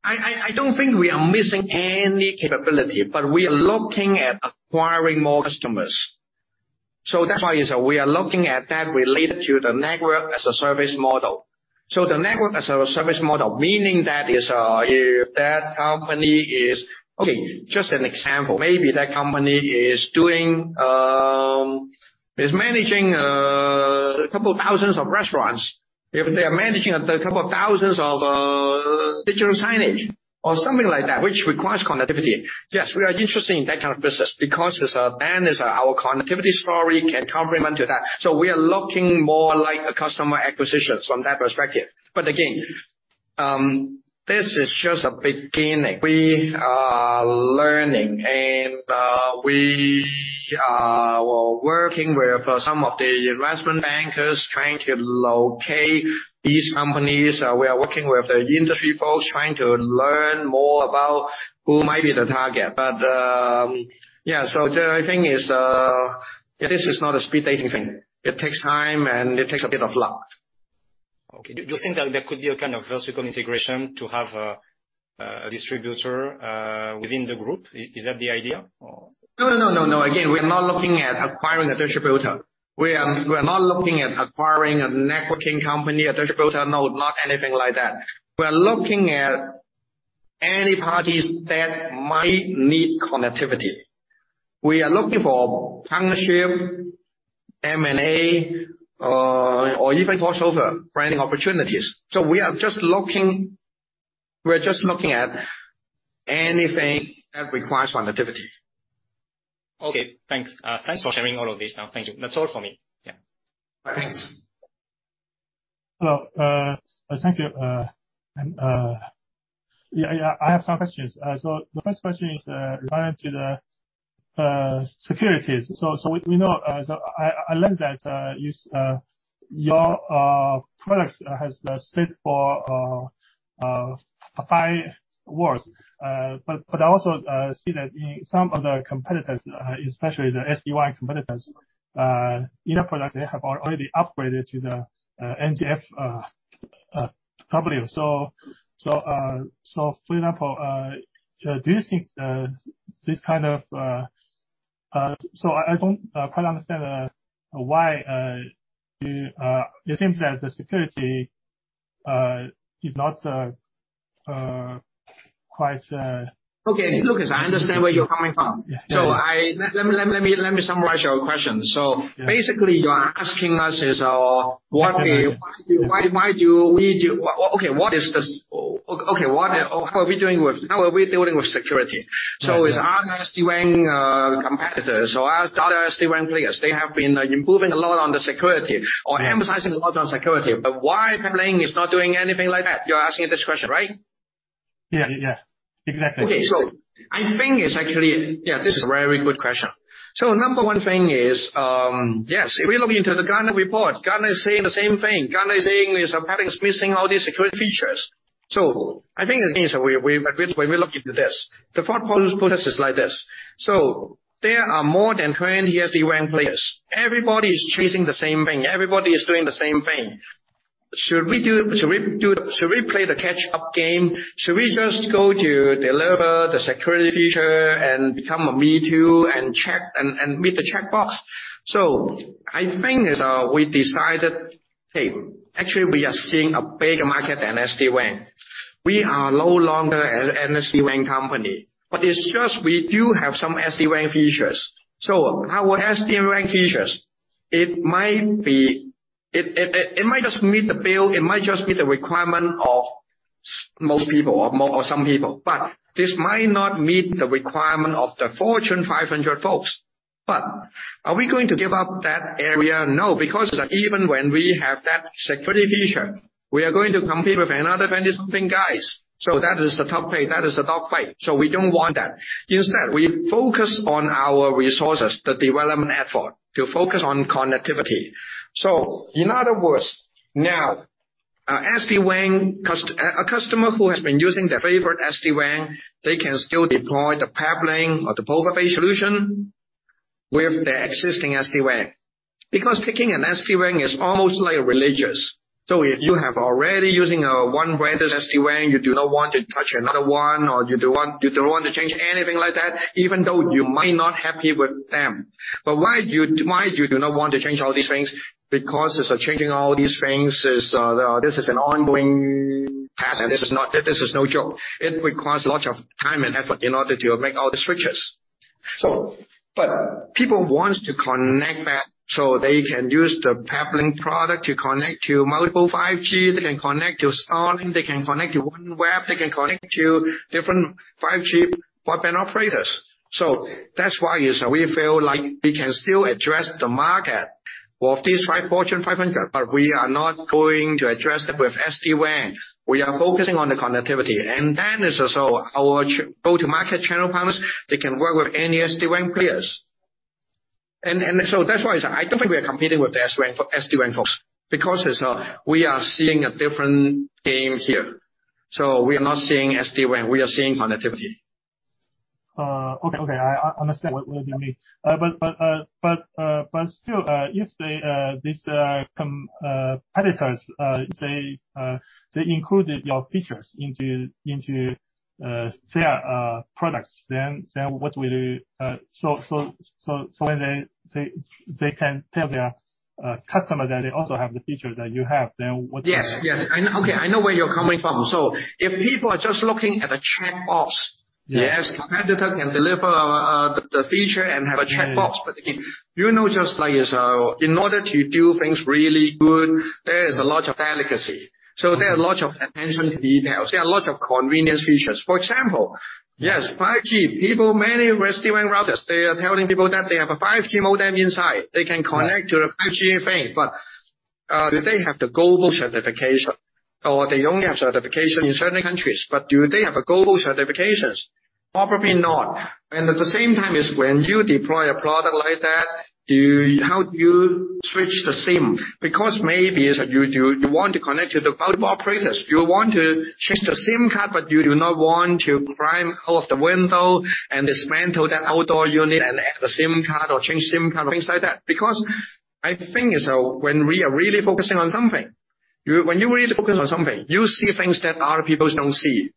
I don't think we are missing any capability, but we are looking at acquiring more customers. That's why is we are looking at that related to the Network as a Service model. The Network as a Service model, meaning that is if that company. Okay, just an example. Maybe that company is doing, is managing, a couple of thousands of restaurants. If they are managing a couple of thousands of digital signage or something like that, which requires connectivity. Yes, we are interested in that kind of business because is then is our connectivity story can complement to that. We are looking more like a customer acquisitions from that perspective. Again, this is just a beginning. We are learning and, we are working with some of the investment bankers trying to locate these companies. We are working with the industry folks trying to learn more about who might be the target. Yeah. The other thing is, yeah, this is not a speed dating thing. It takes time and it takes a bit of luck. Okay. Do you think that there could be a kind of vertical integration to have a distributor within the group? Is that the idea, or? No, no, no. Again, we are not looking at acquiring a distributor. We are not looking at acquiring a networking company, a distributor. No, not anything like that. We are looking at any parties that might need connectivity. We are looking for partnership, M&A, or even crossover branding opportunities. We're just looking at anything that requires connectivity. Okay, thanks. Thanks for sharing all of this. Thank you. That's all for me. Yeah. Thanks. Hello, thank you. Yeah, I have some questions. The first question is related to the securities. We know, I learned that your products has stayed for five years. I also see that in some of the competitors, especially the SD-WAN competitors, in a product they have already upgraded to the NGFW. For example, do you think this kind of. I don't quite understand why you, it seems that the security is not quite. Okay, Lucas, I understand where you're coming from. Yeah. Let me summarize your question. Yeah. Basically you're asking us is, How are we dealing with security? Yeah. As other SD-WAN competitors or as other SD-WAN players, they have been improving a lot on the security or emphasizing a lot on security. Why Peplink is not doing anything like that? You're asking this question, right? Yeah, yeah. Exactly. Okay. I think it's actually a very good question. The 1 thing is, yes, if we look into the Gartner report, Gartner is saying the same thing. Gartner is saying there's a patterns missing all these security features. I think the thing is we looked into this. The fourth point put is like this. There are more than 20 SD-WAN players. Everybody is chasing the same thing. Everybody is doing the same thing. Should we play the catch up game? Should we just go to deliver the security feature and become a me too and meet the checkbox? I think is, we decided, hey, actually we are seeing a bigger market than SD-WAN. We are no longer an SD-WAN company. It's just we do have some SD-WAN features. Our SD-WAN features. It might just meet the bill, it might just meet the requirement of most people or some people. This might not meet the requirement of the Fortune 500 folks. Are we going to give up that area? No. Because even when we have that security feature, we are going to compete with another 20 something guys. That is a tough play. That is a dog fight. We don't want that. Instead we focus on our resources, the development effort, to focus on connectivity. In other words, now, a customer who has been using their favorite SD-WAN, they can still deploy the Peplink or the Plover Bay's solution with the existing SD-WAN. Because picking an SD-WAN is almost like religious. If you have already using a one brand SD-WAN, you do not want to touch another one, or you don't want to change anything like that, even though you might not happy with them. Why you do not want to change all these things? Because changing all these things is an ongoing task. This is no joke. It requires lots of time and effort in order to make all the switches. People want to connect that so they can use the Peplink product to connect to multiple 5G. They can connect to Starlink, they can connect to OneWeb, they can connect to different 5G broadband operators. That's why is we feel like we can still address the market of these Fortune 500, but we are not going to address them with SD-WAN. We are focusing on the connectivity. Our go-to-market channel partners, they can work with any SD-WAN players. That's why is I don't think we are competing with the SD-WAN folks, because is we are seeing a different game here. We are not seeing SD-WAN, we are seeing connectivity. Okay, okay. I understand what you mean. Still, if they, these competitors, they included your features into their products, then what will? When they can tell their customer that they also have the features that you have, then what is? Yes, yes. I know. Okay, I know where you're coming from. If people are just looking at a checkbox- Yes. The competitor can deliver the feature and have a checkbox. If you know just like, in order to do things really good, there is a lot of delicacy. There are a lot of attention to details. There are a lot of convenience features. For example, yes, 5G. Many SD-WAN routers, they are telling people that they have a 5G modem inside. They can connect to the 5G thing. Do they have the global certification? They only have certification in certain countries, but do they have a global certifications? Probably not. At the same time is when you deploy a product like that, how do you switch the SIM? Because maybe is you want to connect to the mobile operators. You want to change the SIM card, you do not want to climb out of the window and dismantle that outdoor unit and add the SIM card or change SIM card or things like that. I think is, when we are really focusing on something, when you really focus on something, you see things that other people don't see.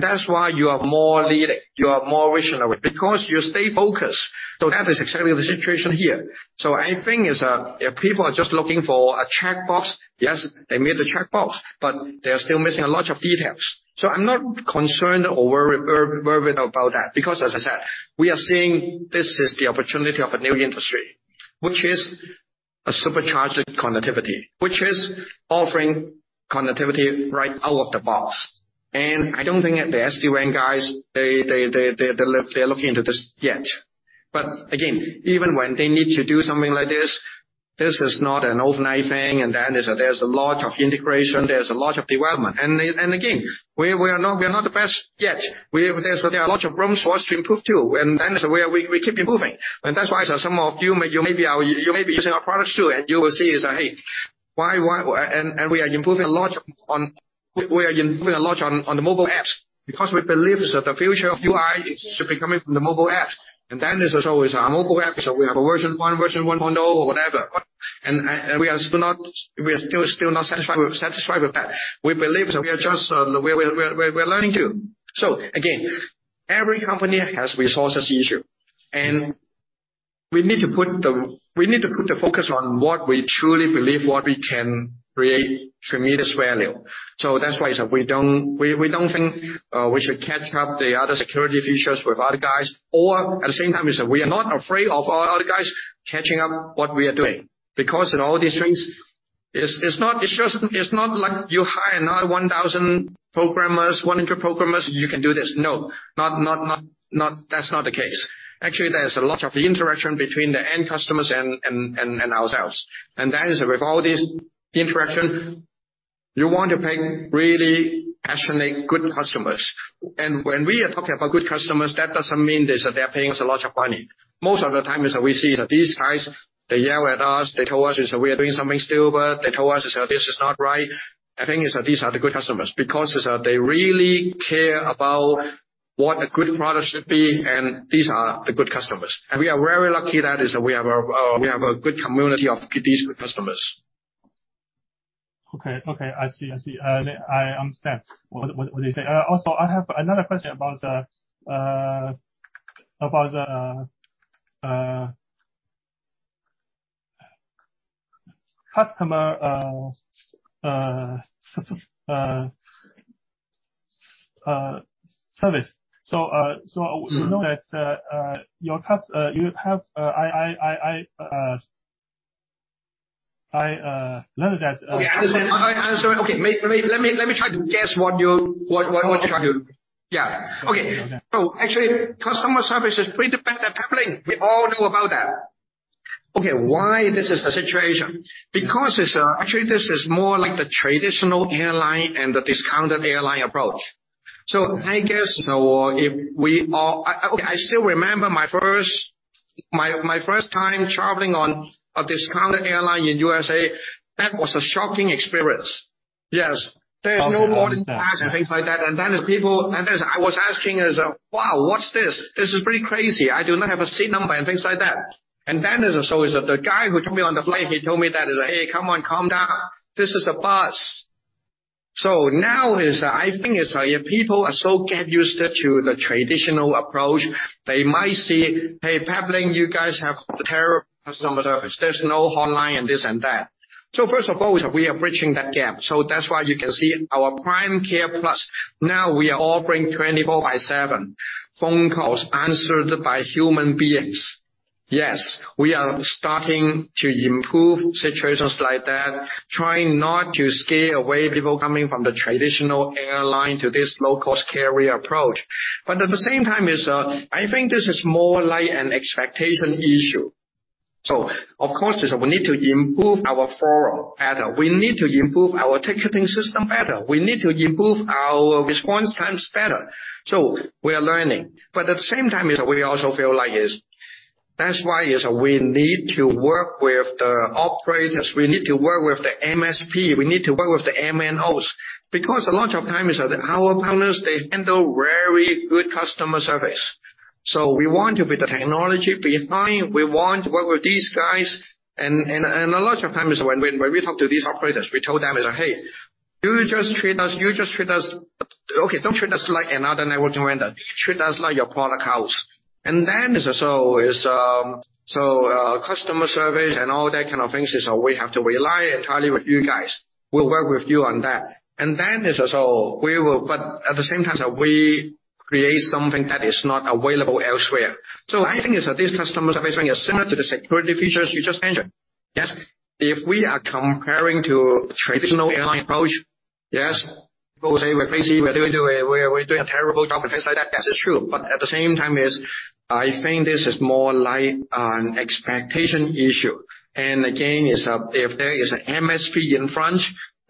That's why you are more leading, you are more visionary, because you stay focused. That is exactly the situation here. I think is, if people are just looking for a checkbox, yes, they made the checkbox, but they are still missing a lot of details. I'm not concerned or worried about that. As I said, we are seeing this is the opportunity of a new industry, which is a supercharged connectivity, which is offering connectivity right out of the box. I don't think that the SD-WAN guys, they're looking into this yet. Again, even when they need to do something like this is not an overnight thing. There's a lot of integration, there's a lot of development. Again, we are not the best yet. There are a lot of room for us to improve too, and that is where we keep improving. That's why some of you may be using our products too, and you will see that, hey, why... We are improving a lot on the mobile apps because we believe that the future of UI should be coming from the mobile apps. This is always our mobile apps, so we have a version one, version 1.0 or whatever. We are still not satisfied with that. We believe that we are just, we're learning to. Again, every company has resources issue, and we need to put the focus on what we truly believe what we can create tremendous value. That's why is that we don't think we should catch up the other security features with other guys. At the same time, is we are not afraid of other guys catching up what we are doing. Because in all these things, it's not, it's just not like you hire another 1,000 programmers, 100 programmers, and you can do this. No. Not. That's not the case. Actually, there's a lot of interaction between the end customers and ourselves. That is with all this interaction, you want to pay really actually good customers. When we are talking about good customers, that doesn't mean they're paying us a lot of money. Most of the time is that we see that these guys, they yell at us, they tell us is that we are doing something stupid. They tell us is that this is not right. I think is that these are the good customers because is that they really care about what a good product should be, and these are the good customers. We are very lucky that is we have a good community of these good customers. Okay. Okay. I see. I see. I understand what you say. Also, I have another question about the customer service. Mm-hmm. we know that, I learned that. Okay, I understand. I understand. Okay. Let me try to guess what you, what you trying to. Yeah. Okay. Actually, customer service is pretty bad at Peplink. We all know about that. Okay, why this is the situation? Because is actually this is more like the traditional airline and the discounted airline approach. I guess or if we are. I still remember my first, my first time traveling on a discounted airline in USA, that was a shocking experience. Yes. Okay. There is no boarding pass and things like that. There's people... I was asking, wow, what's this? This is pretty crazy. I do not have a seat number and things like that. Then the guy who took me on the flight, he told me that, "Hey, come on, calm down. This is a bus." Now I think, if people are so get used to the traditional approach, they might say, "Hey, Peplink, you guys have terrible customer service. There's no hotline and this and that." First of all, we are bridging that gap. That's why you can see our PrimeCare+. Now we are offering 24/7 phone calls answered by human beings. We are starting to improve situations like that, trying not to scare away people coming from the traditional airline to this low-cost carrier approach. At the same time is, I think this is more like an expectation issue. Of course is we need to improve our forum better. We need to improve our ticketing system better. We need to improve our response times better. We are learning. At the same time is we also feel like is, that's why is we need to work with the operators, we need to work with the MSP, we need to work with the MNOs. A lot of times is that our partners, they handle very good customer service. We want to be the technology behind. We want to work with these guys. A lot of times when we talk to these operators, we told them is that, "Hey, don't treat us like another networking vendor. Treat us like your product house." Customer service and all that kind of things is we have to rely entirely with you guys. We'll work with you on that. At the same time, we create something that is not available elsewhere. I think is that this customer service thing is similar to the security features you just mentioned. Yes. If we are comparing to traditional airline approach, yes, people say we're crazy, we're doing a terrible job and things like that. Yes, it's true. At the same time is I think this is more like an expectation issue. Again, is if there is a MSP in front,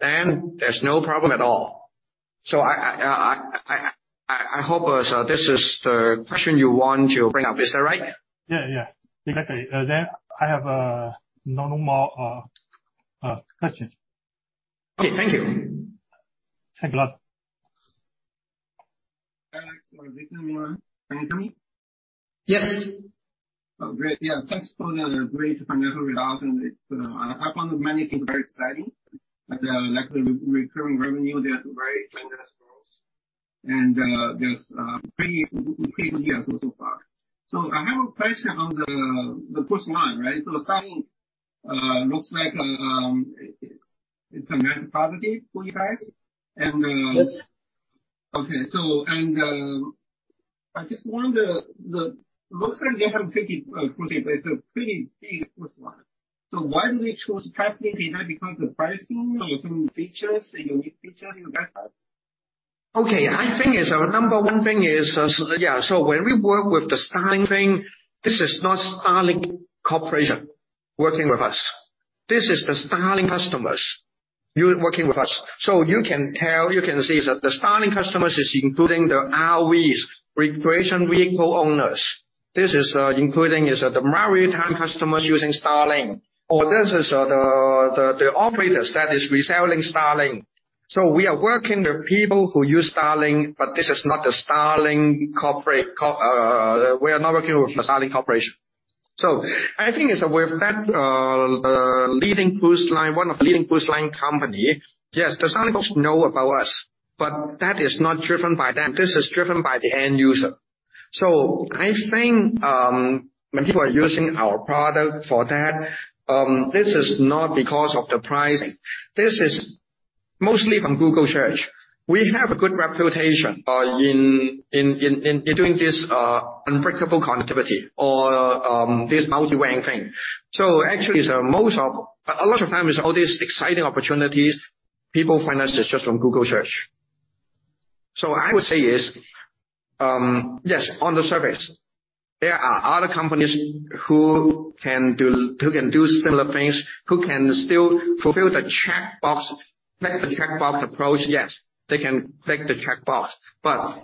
then there's no problem at all. I hope is this is the question you want to bring up. Is that right? Yeah. Exactly. I have no more questions. Okay. Thank you. Thanks a lot. Can you hear me? Yes. Oh, great. Yeah. Thanks for the great financial results and it, I found many things very exciting, like the re-recurring revenue, they are very generous growth. There's pretty good year so far. I have a question on the first line, right? Starlink, looks like, it's a net positive for you guys and… Yes. I just wonder. Looks like they haven't taken it for granted, but it's a pretty big first line. Why do they choose Starlink? Is that because the pricing or some features, a unique feature you guys have? Okay. I think it's our number one thing is, yeah. When we work with the Starlink thing, this is not Starlink Corporation working with us. This is the Starlink customers working with us. You can tell, you can see that the Starlink customers is including the RAs, recreation vehicle owners. This is including is the maritime customers using Starlink. This is the operators that is reselling Starlink. We are working with people who use Starlink, but this is not a Starlink corporate. We are not working with the Starlink Corporation. I think it's with that leading cruise line, one of the leading cruise line company, yes, the Starlink know about us, but that is not driven by them. This is driven by the end user. I think, when people are using our product for that, this is not because of the pricing. This is mostly from Google search. We have a good reputation in doing this unbreakable connectivity or this multi-WAN thing. Actually, a lot of times, all these exciting opportunities, people find us just from Google search. I would say is, yes, on the surface, there are other companies who can do similar things, who can still fulfill the checkbox, click the checkbox approach, yes. They can click the checkbox.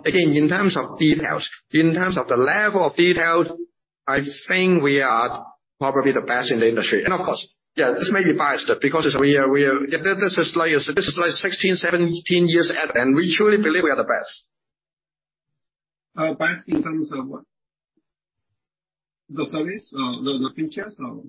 Again, in terms of details, in terms of the level of details, I think we are probably the best in the industry. Of course, yeah, this may be biased, because we are... This is like 16, 17 years, and we truly believe we are the best. Best in terms of what? The service or the features or?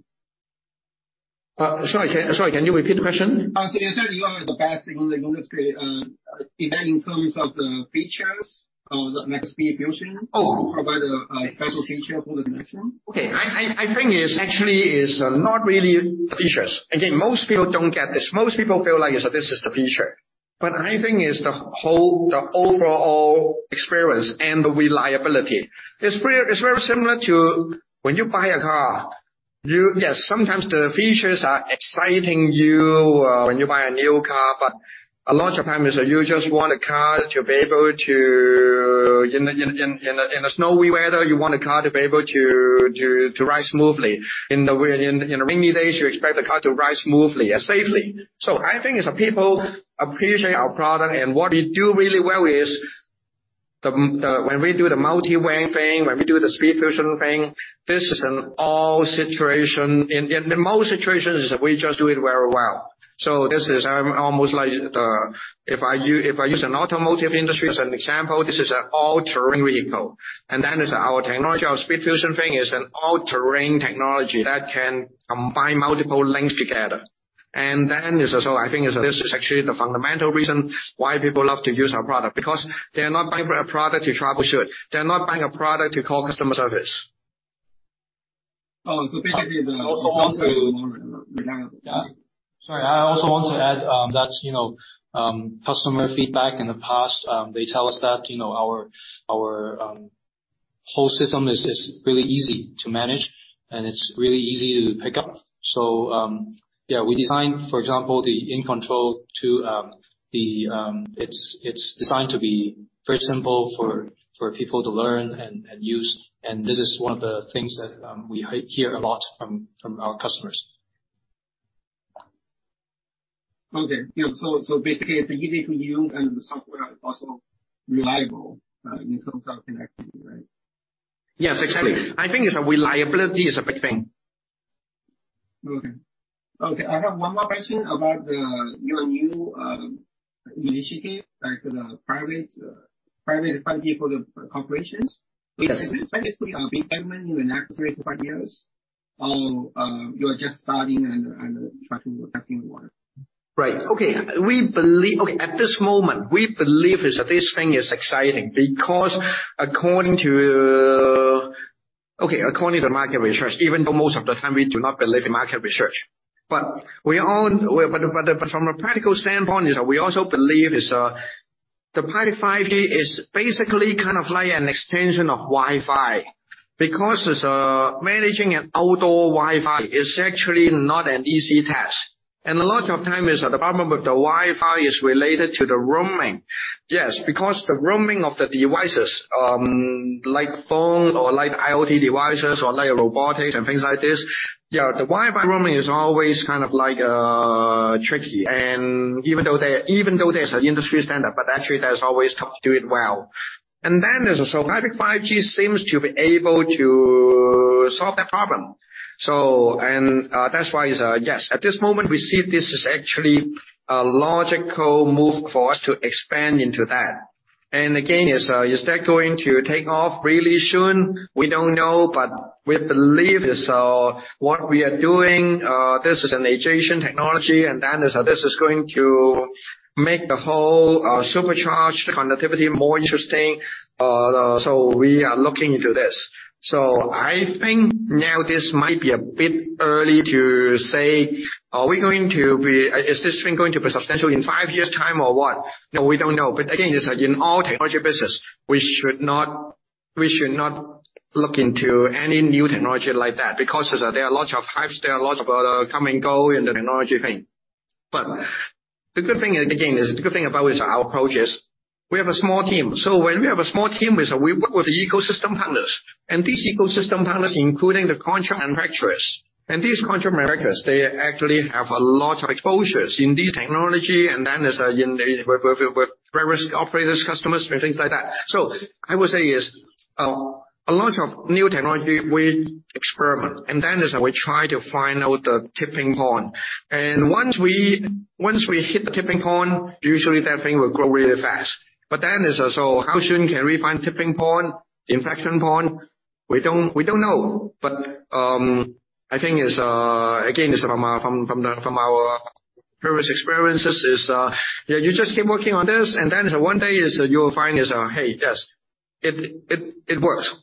Sorry, can you repeat the question? You said you are the best in the industry, is that in terms of the features or the next SpeedFusion? Oh. You provide a special feature for the next one? Okay. I think it's actually is not really the features. Again, most people don't get this. Most people feel like, so this is the feature. I think it's the whole, the overall experience and the reliability. It's very similar to when you buy a car, you. Yes, sometimes the features are exciting you when you buy a new car. A lot of times, so you just want a car to be able to, in a snowy weather, ride smoothly. In rainy days, you expect the car to ride smoothly and safely. I think is that people appreciate our product, and what we do really well is the when we do the multi-WAN thing, when we do the SpeedFusion thing, this is an all situation. In most situations, is we just do it very well. This is almost like the... If I use an automotive industry as an example, this is an all-terrain vehicle. Our technology, our SpeedFusion thing is an all-terrain technology that can combine multiple links together. I think this is actually the fundamental reason why people love to use our product, because they're not buying a product to troubleshoot. They're not buying a product to call customer service. basically the reliable. Yeah. Sorry, I also want to add that, you know, customer feedback in the past, they tell us that, you know, our whole system is really easy to manage and is really easy to pick up. Yeah, we designed, for example, the InControl to be very simple for people to learn and use. This is one of the things that we hear a lot from our customers. Yeah. Basically it's easy to use and the software is also reliable, in terms of connectivity, right? Yes, exactly. I think it's a reliability is a big thing. Okay. Okay, I have one more question about the, your new initiative, like the private 5G for the corporations. Yes. Is this basically a big segment in the next three to five years? You're just starting and trying to testing the water? Right. Okay. We believe at this moment, we believe is that this thing is exciting because according to market research, even though most of the time we do not believe in market research. From a practical standpoint is we also believe is the private 5G is basically kind of like an extension of Wi-Fi. As a managing an outdoor Wi-Fi is actually not an easy task. A lot of time is the problem with the Wi-Fi is related to the roaming. The roaming of the devices, like phone or like IoT devices or like robotics and things like this, the Wi-Fi roaming is always kind of like tricky. Even though there's an industry standard, but actually that's always tough to do it well. Is also private 5G seems to be able to solve that problem. That's why yes, at this moment we see this is actually a logical move for us to expand into that. Again, is that going to take off really soon? We don't know, but we believe is what we are doing, this is an adjacent technology, and then is this is going to make the whole supercharged connectivity more interesting. We are looking into this. I think now this might be a bit early to say, is this thing going to be substantial in five years' time or what? No, we don't know. Again, it's like in all technology business, we should not look into any new technology like that, because there are lots of hypes, there are lots of come and go in the technology thing. The good thing, again, is the good thing about is our approach is we have a small team. When we have a small team, is we work with the ecosystem partners. These ecosystem partners, including the contract manufacturers. These contract manufacturers, they actually have a lot of exposures in this technology and then is in the with various operators, customers, and things like that. I would say is a lot of new technology we experiment, and then is we try to find out the tipping point. Once we hit the tipping point, usually that thing will grow really fast. How soon can we find tipping point, inflection point? We don't know. I think is again, is from our previous experiences, you know, you just keep working on this, one day you'll find, hey, yes, it works.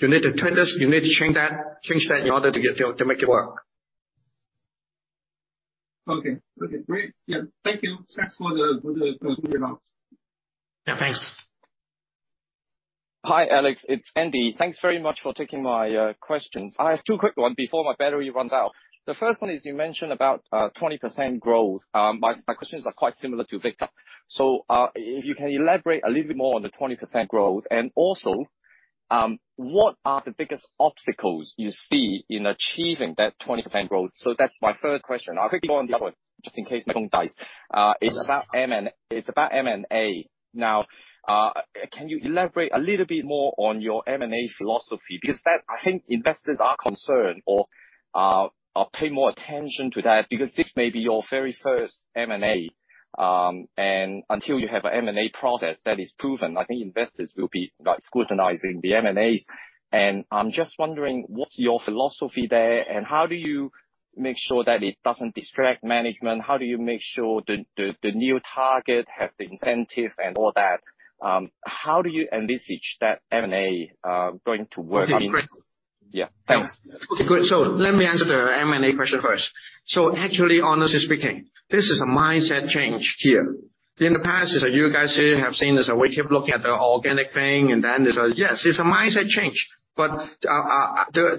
You need to turn this, you need to change that in order to make it work. Okay. Okay, great. Yeah, thank you. Thanks for the good news. Yeah, thanks. Hi, Alex. It's Andy. Thanks very much for taking my questions. I have two quick one before my battery runs out. The first one is you mentioned about 20% growth. My questions are quite similar to Victor. If you can elaborate a little bit more on the 20% growth and also, what are the biggest obstacles you see in achieving that 20% growth? That's my first question. I'll quickly go on the other one just in case my phone dies. It's about M&A. Can you elaborate a little bit more on your M&A philosophy? I think investors are concerned or pay more attention to that because this may be your very first M&A. Until you have an M&A process that is proven, I think investors will be, like, scrutinizing the M&As. I'm just wondering, what's your philosophy there, and how do you make sure that it doesn't distract management? How do you make sure the new target have the incentive and all that? How do you envisage that M&A going to work? Okay, great. Yeah. Thanks. Good. Let me answer the M&A question first. Actually, honestly speaking, this is a mindset change here. In the past, as you guys here have seen is we keep looking at the organic thing, and then is, yes, it's a mindset change. What we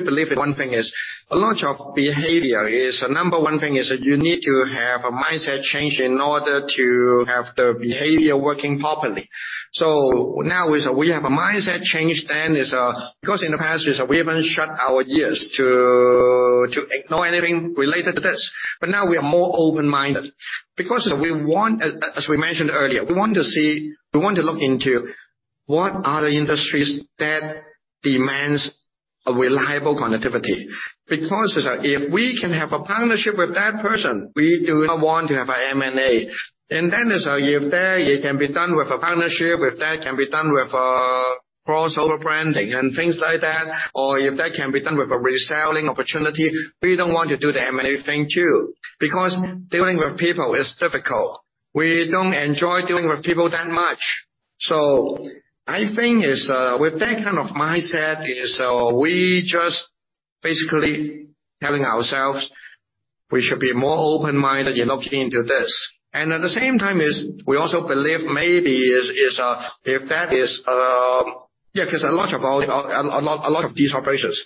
believe in one thing is, a lot of behavior is a number one thing is you need to have a mindset change in order to have the behavior working properly. Now is we have a mindset change, then is, because in the past is we even shut our ears to ignore anything related to this. Now we are more open-minded. We want, as we mentioned earlier, we want to look into what are the industries that demands a reliable connectivity. If we can have a partnership with that person, we do not want to have a M&A. If that it can be done with a partnership, if that can be done with a crossover branding and things like that, or if that can be done with a reselling opportunity, we don't want to do the M&A thing too. Dealing with people is difficult. We don't enjoy dealing with people that much. I think with that kind of mindset, we just basically telling ourselves we should be more open-minded in looking into this. At the same time, we also believe maybe if that is. Yeah, 'cause a lot of these operations,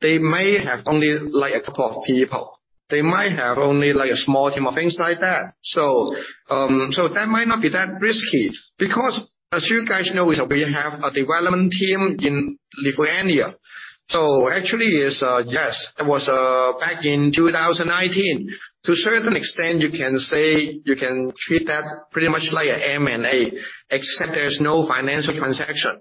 they may have only like a couple of people. They might have only like a small team of things like that. That might not be that risky. As you guys know is we have a development team in Lithuania. Actually is, yes, that was back in 2019. To a certain extent, you can say you can treat that pretty much like a M&A, except there's no financial transaction.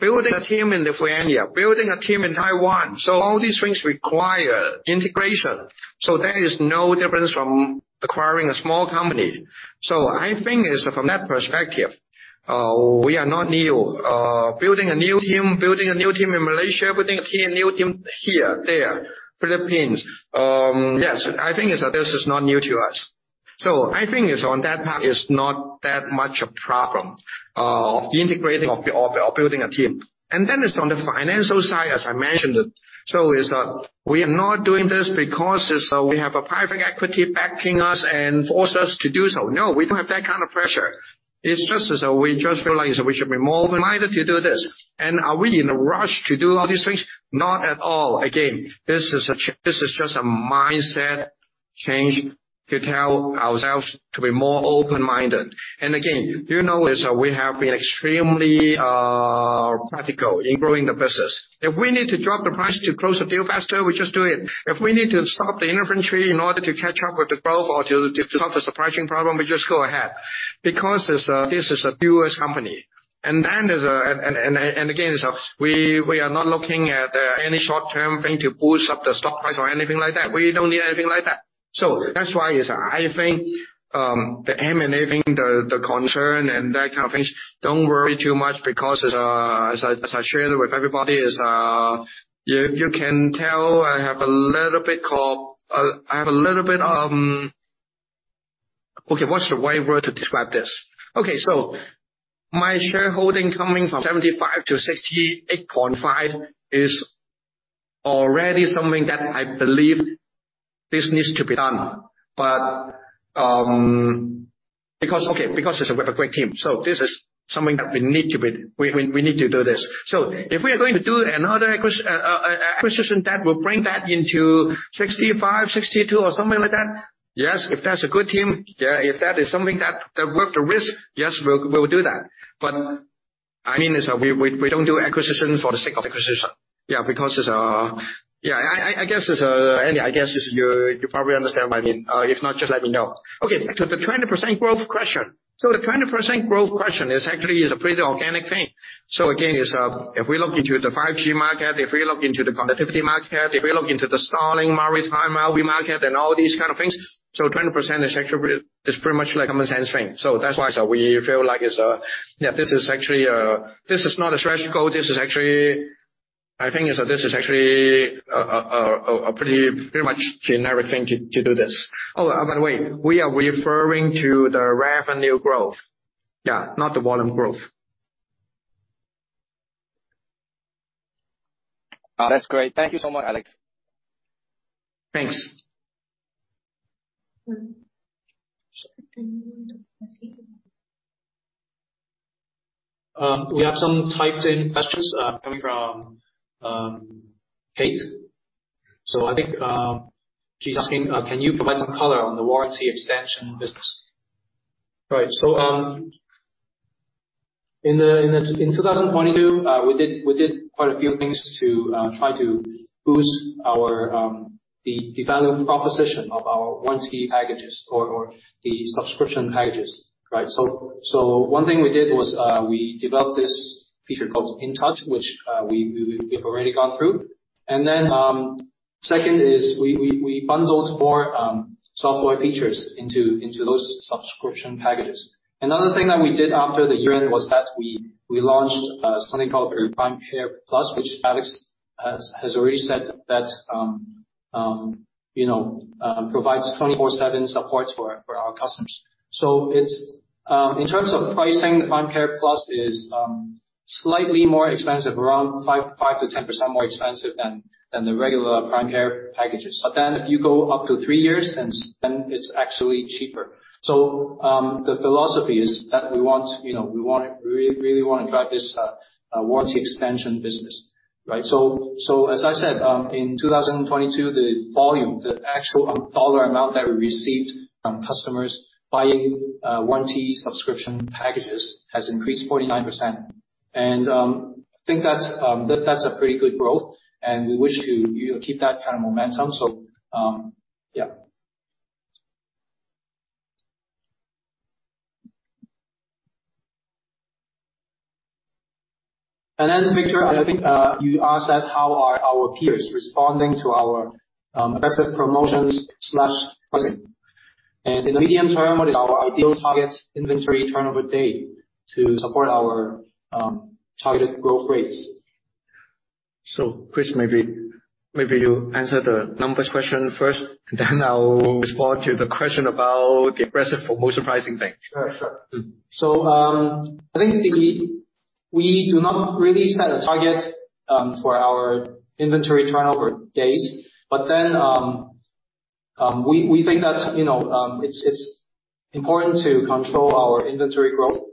Building a team in Lithuania, building a team in Taiwan, so all these things require integration. There is no difference from acquiring a small company. I think is from that perspective, we are not new. Building a new team, building a new team in Malaysia, building a new team here, there, Philippines. Yes, I think is that this is not new to us. I think is on that part is not that much a problem, integrating or building a team. Is on the financial side, as I mentioned it, so is that we are not doing this because is, we have a private equity backing us and force us to do so. No, we don't have that kind of pressure. It's just is, we just feel like is we should be more open-minded to do this. Are we in a rush to do all these things? Not at all. Again, this is just a mindset change to tell ourselves to be more open-minded. Again, you know is, we have been extremely practical in growing the business. If we need to drop the price to close the deal faster, we just do it. If we need to stop the inventory in order to catch up with the growth or to solve the supply chain problem, we just go ahead. Because this is a U.S. company. Again, it's we are not looking at any short-term thing to boost up the stock price or anything like that. We don't need anything like that. That's why is I think the M&A thing, the concern and that kind of things, don't worry too much because as I shared with everybody is, you can tell I have a little bit. Okay, what's the right word to describe this? Okay. My shareholding coming from 75 to 68.5 is already something that I believe this needs to be done. Because we have a great team. This is something that we need to do this. If we are going to do another acquisition that will bring that into 65, 62 or something like that, yes, if that's a good team, yeah, if that is something that worth the risk, yes, we'll do that. I mean we don't do acquisition for the sake of acquisition. Because I guess Andy, I guess you probably understand what I mean. If not, just let me know. Back to the 20% growth question. The 20% growth question is actually a pretty organic thing. Again, if we look into the 5G market, if we look into the connectivity market, if we look into the Starlink maritime market and all these kind of things, 20% is actually pretty much like common sense thing. That's why we feel like this is actually not a threshold. I think this is actually a pretty much generic thing to do this. By the way, we are referring to the revenue growth, not the volume growth. That's great. Thank you so much, Alex. Thanks. We have some typed in questions coming from Kate. I think she's asking, can you provide some color on the warranty extension business? Right. In 2022, we did quite a few things to try to boost our the value proposition of our warranty packages or the subscription packages, right? One thing we did was we developed this feature called InTouch, which we've already gone through. Second is we bundled more software features into those subscription packages. Another thing that we did after the year-end was that we launched something called PrimeCare+, which Alex has already said that, you know, provides 24/7 support for our customers. It's in terms of pricing, PrimeCare+ is slightly more expensive, around 5-10% more expensive than the regular PrimeCare packages. If you go up to three years, then it's actually cheaper. The philosophy is that we want, you know, we want really wanna drive this warranty expansion business, right? As I said, in 2022, the volume, the actual dollar amount that we received from customers buying warranty subscription packages has increased 49%. I think that's a pretty good growth. We wish to, you know, keep that kind of momentum. Yeah. Victor, I think you asked that how are our peers responding to our aggressive promotions slash pricing. In the medium term, what is our ideal target inventory turnover day to support our targeted growth rates? Chris, maybe you answer the numbers question first, and then I'll respond to the question about the aggressive promotional pricing thing. Sure. Sure. I think we do not really set a target for our inventory turnover days. We think that, you know, it's important to control our inventory growth.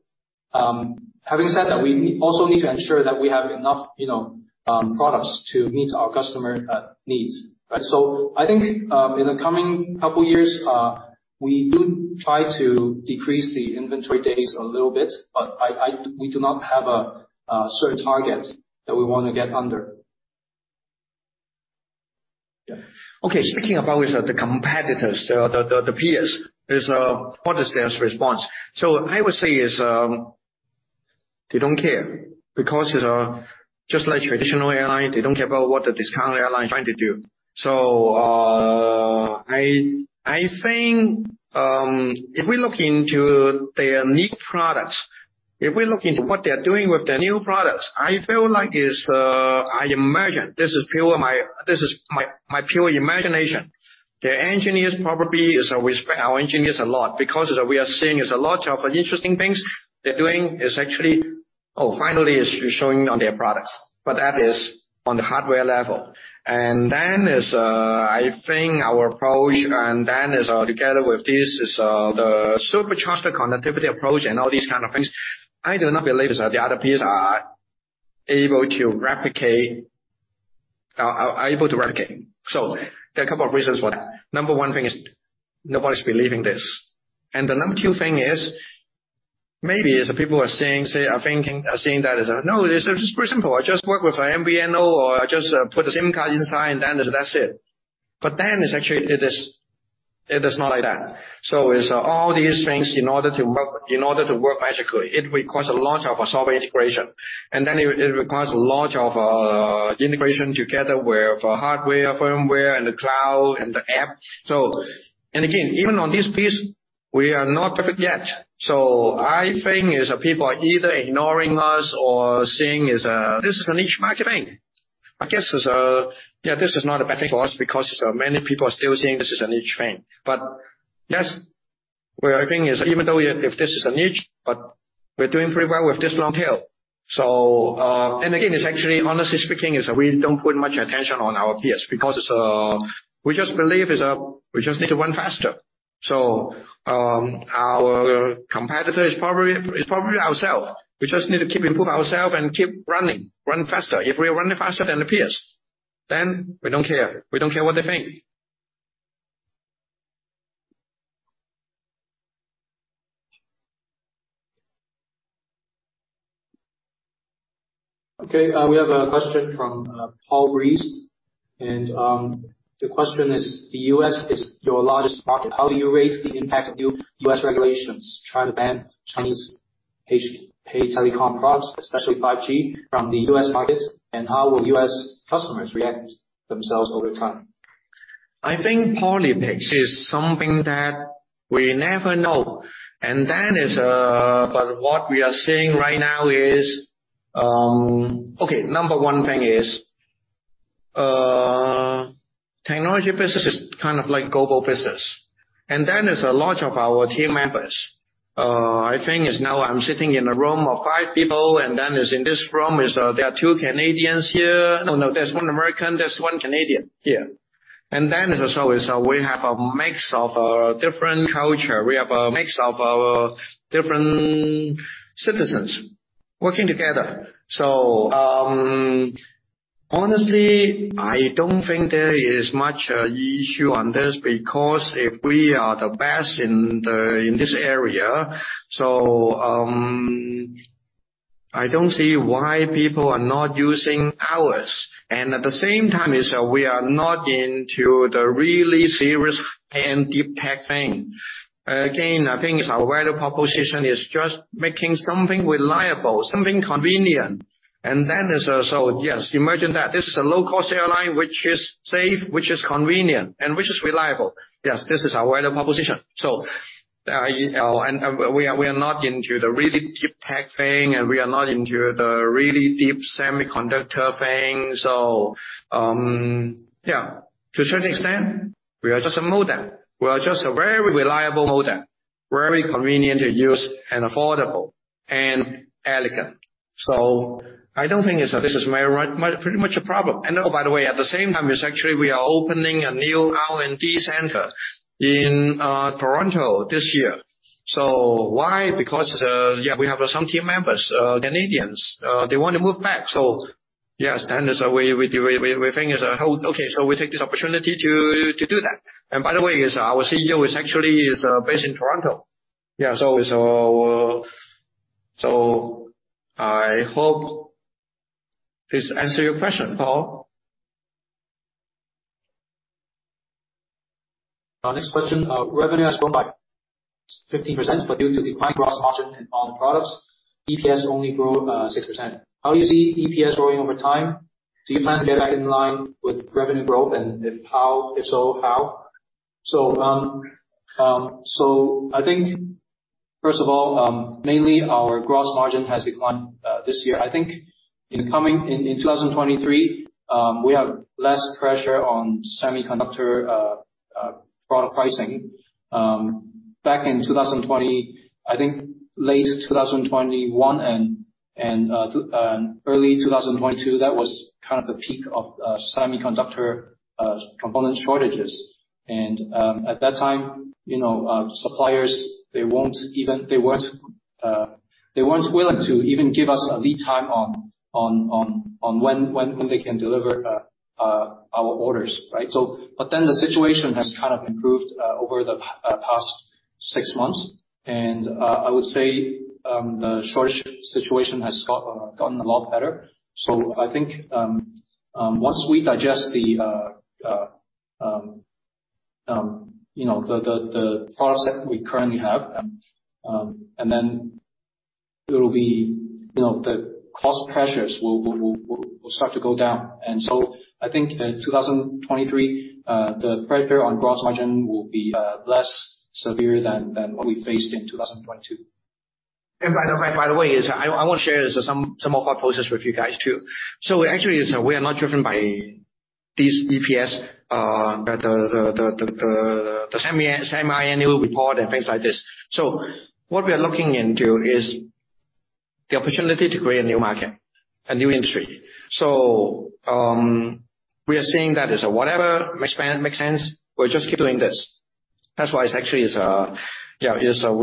Having said that, we also need to ensure that we have enough, you know, products to meet our customer needs. Right? I think, in the coming couple years, we do try to decrease the inventory days a little bit, but we do not have a certain target that we wanna get under. Yeah. Okay. Speaking about the competitors, the peers, what is their response? I would say, they don't care because just like traditional airline, they don't care about what the discount airline is trying to do. I think if we look into their niche products, if we look into what they're doing with their new products, I feel like it's, I imagine, this is my pure imagination. Their engineers probably, we respect our engineers a lot because we are seeing a lot of interesting things they're doing actually. Finally showing on their products. That is on the hardware level. I think our approach, and then together with this, is the super trusted connectivity approach and all these kind of things. I do not believe is that the other peers are able to replicate. Are able to replicate. There are a couple of reasons for that. Number one thing is nobody's believing this. The number two thing is, maybe people are thinking, are saying that is, "No, this is just pretty simple. I just work with a MVNO, or I just put a SIM card inside, and that's it." Actually it is not like that. It's all these things in order to work, in order to work magically, it requires a lot of software integration. It requires a lot of integration together where for hardware, firmware, and the cloud, and the app. Again, even on this piece, we are not perfect yet. I think is people are either ignoring us or seeing is, this is a niche market thing. I guess it's, Yeah, this is not a benefit for us because so many people are still seeing this as a niche thing. That's where I think is even though if this is a niche, but we're doing pretty well with this long tail. Again, it's actually, honestly speaking, is we don't put much attention on our peers because it's, we just believe is that we just need to run faster. Our competitor is probably ourself. We just need to keep improve ourself and keep running, run faster. If we are running faster than the peers, then we don't care. We don't care what they think. Okay. We have a question from Paul Ryce. The question is, the U.S. is your largest market. How do you rate the impact of new U.S. regulations trying to ban Chinese telecom products, especially 5G, from the U.S. market? How will U.S. customers react themselves over time? I think politics is something that we never know. What we are seeing right now is, number one thing is, technology business is kind of like global business. That is a lot of our team members. I think is now I'm sitting in a room of five people, in this room is, there are two Canadians here. No, no, there's one American, there's one Canadian here. As always, we have a mix of different culture. We have a mix of different citizens working together. Honestly, I don't think there is much issue on this because if we are the best in the, in this area, I don't see why people are not using ours. At the same time, we are not into the really serious and deep tech thing. Again, I think our value proposition is just making something reliable, something convenient. Yes, imagine that this is a low-cost airline which is safe, which is convenient, and which is reliable. Yes, this is our value proposition. You know, we are not into the really deep tech thing, and we are not into the really deep semiconductor thing. Yeah, to a certain extent, we are just a modem. We are just a very reliable modem. Very convenient to use and affordable and elegant. I don't think this is very pretty much a problem. Oh, by the way, at the same time, it's actually we are opening a new R&D center in Toronto this year. Why? Because, yeah, we have some team members, Canadians, they wanna move back. Yes, we do, we think is a whole, okay, we take this opportunity to do that. By the way, our CEO is actually based in Toronto. I hope this answer your question, Paul. Our next question. Revenue has grown by 15%, but due to declined gross margin in all the products, EPS only grow 6%. How do you see EPS growing over time? Do you plan to get back in line with revenue growth? If how, if so, how? I think first of all, mainly our gross margin has declined this year. I think in 2023, we have less pressure on semiconductor product pricing. Back in 2020, I think late 2021 and early 2022, that was kind of the peak of semiconductor component shortages. At that time, you know, suppliers, they won't even... They won't, they weren't willing to even give us a lead time on when they can deliver our orders, right. The situation has kind of improved over the past six months. I would say, the shortage situation has gotten a lot better. I think, once we digest the, you know, the product set we currently have, and then it'll be, you know, the cost pressures will start to go down. I think in 2023, the pressure on gross margin will be less severe than what we faced in 2022. By the way, I wanna share this, some of our process with you guys too. Actually we are not driven by these EPS, the semi-annual report and things like this. What we are looking into is the opportunity to create a new market, a new industry. We are seeing that is whatever makes sense, we'll just keep doing this. That's why it's actually, you know,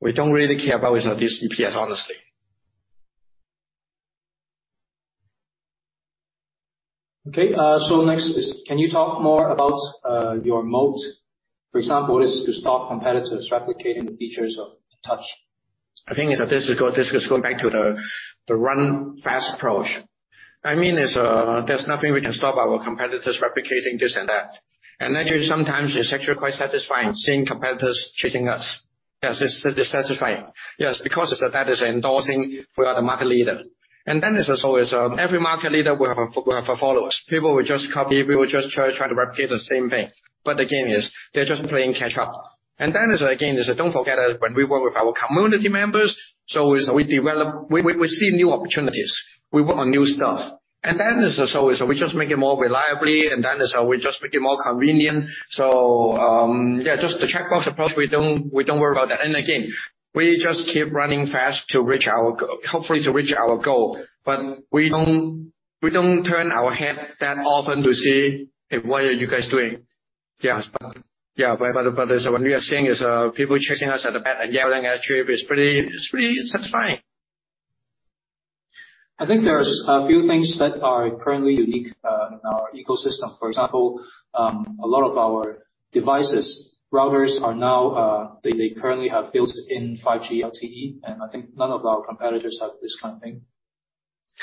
we don't really care about this EPS, honestly. Okay. Next is, can you talk more about your moat? For example, is to stop competitors replicating the features of Touch-? I think it's going back to the run fast approach. I mean, it's there's nothing we can stop our competitors replicating this and that. Actually sometimes it's actually quite satisfying seeing competitors chasing us. Yes, it's satisfying. Yes, because that is endorsing we are the market leader. There's also is every market leader will have followers. People will just copy, people will just try to replicate the same thing. Again, is they're just playing catch up. Is again is don't forget that when we work with our community members, is We see new opportunities. We work on new stuff. We just make it more reliably is we just make it more convenient. Yeah, just the checkbox approach, we don't worry about that. Again, we just keep running fast to reach our hopefully to reach our goal. We don't turn our head that often to see, hey, what are you guys doing? Yes. Yeah, but what we are seeing is people chasing us at the back and yelling at you is pretty satisfying. I think there's a few things that are currently unique in our ecosystem. For example, a lot of our devices, routers are now, they currently have built-in 5G LTE, and I think none of our competitors have this kind of thing.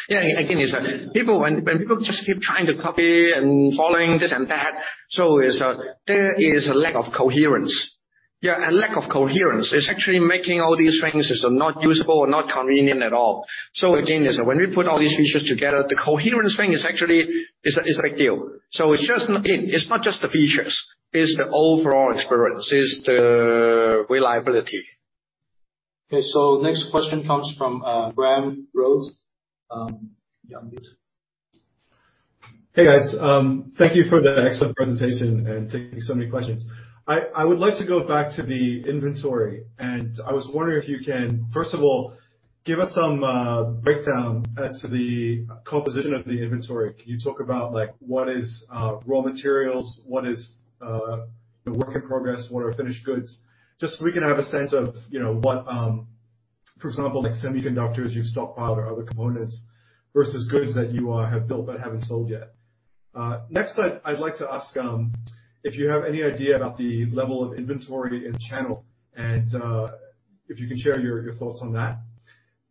Again, is people when people just keep trying to copy and following this and that, there is a lack of coherence. Yeah, a lack of coherence. It's actually making all these things is not usable or not convenient at all. Again, is when we put all these features together, the coherence thing is actually, is a big deal. It's not just the features, it's the overall experience, it's the reliability. Okay. next question comes from Graham Rhodes. Yeah. Hey, guys. Thank you for the excellent presentation and taking so many questions. I would like to go back to the inventory, and I was wondering if you can, first of all, give us some breakdown as to the composition of the inventory. Can you talk about like what is raw materials, what is work in progress, what are finished goods? Just so we can have a sense of, you know, what, for example, like semiconductors you've stockpiled or other components versus goods that you have built but haven't sold yet. Next, I'd like to ask if you have any idea about the level of inventory in the channel, and if you can share your thoughts on that.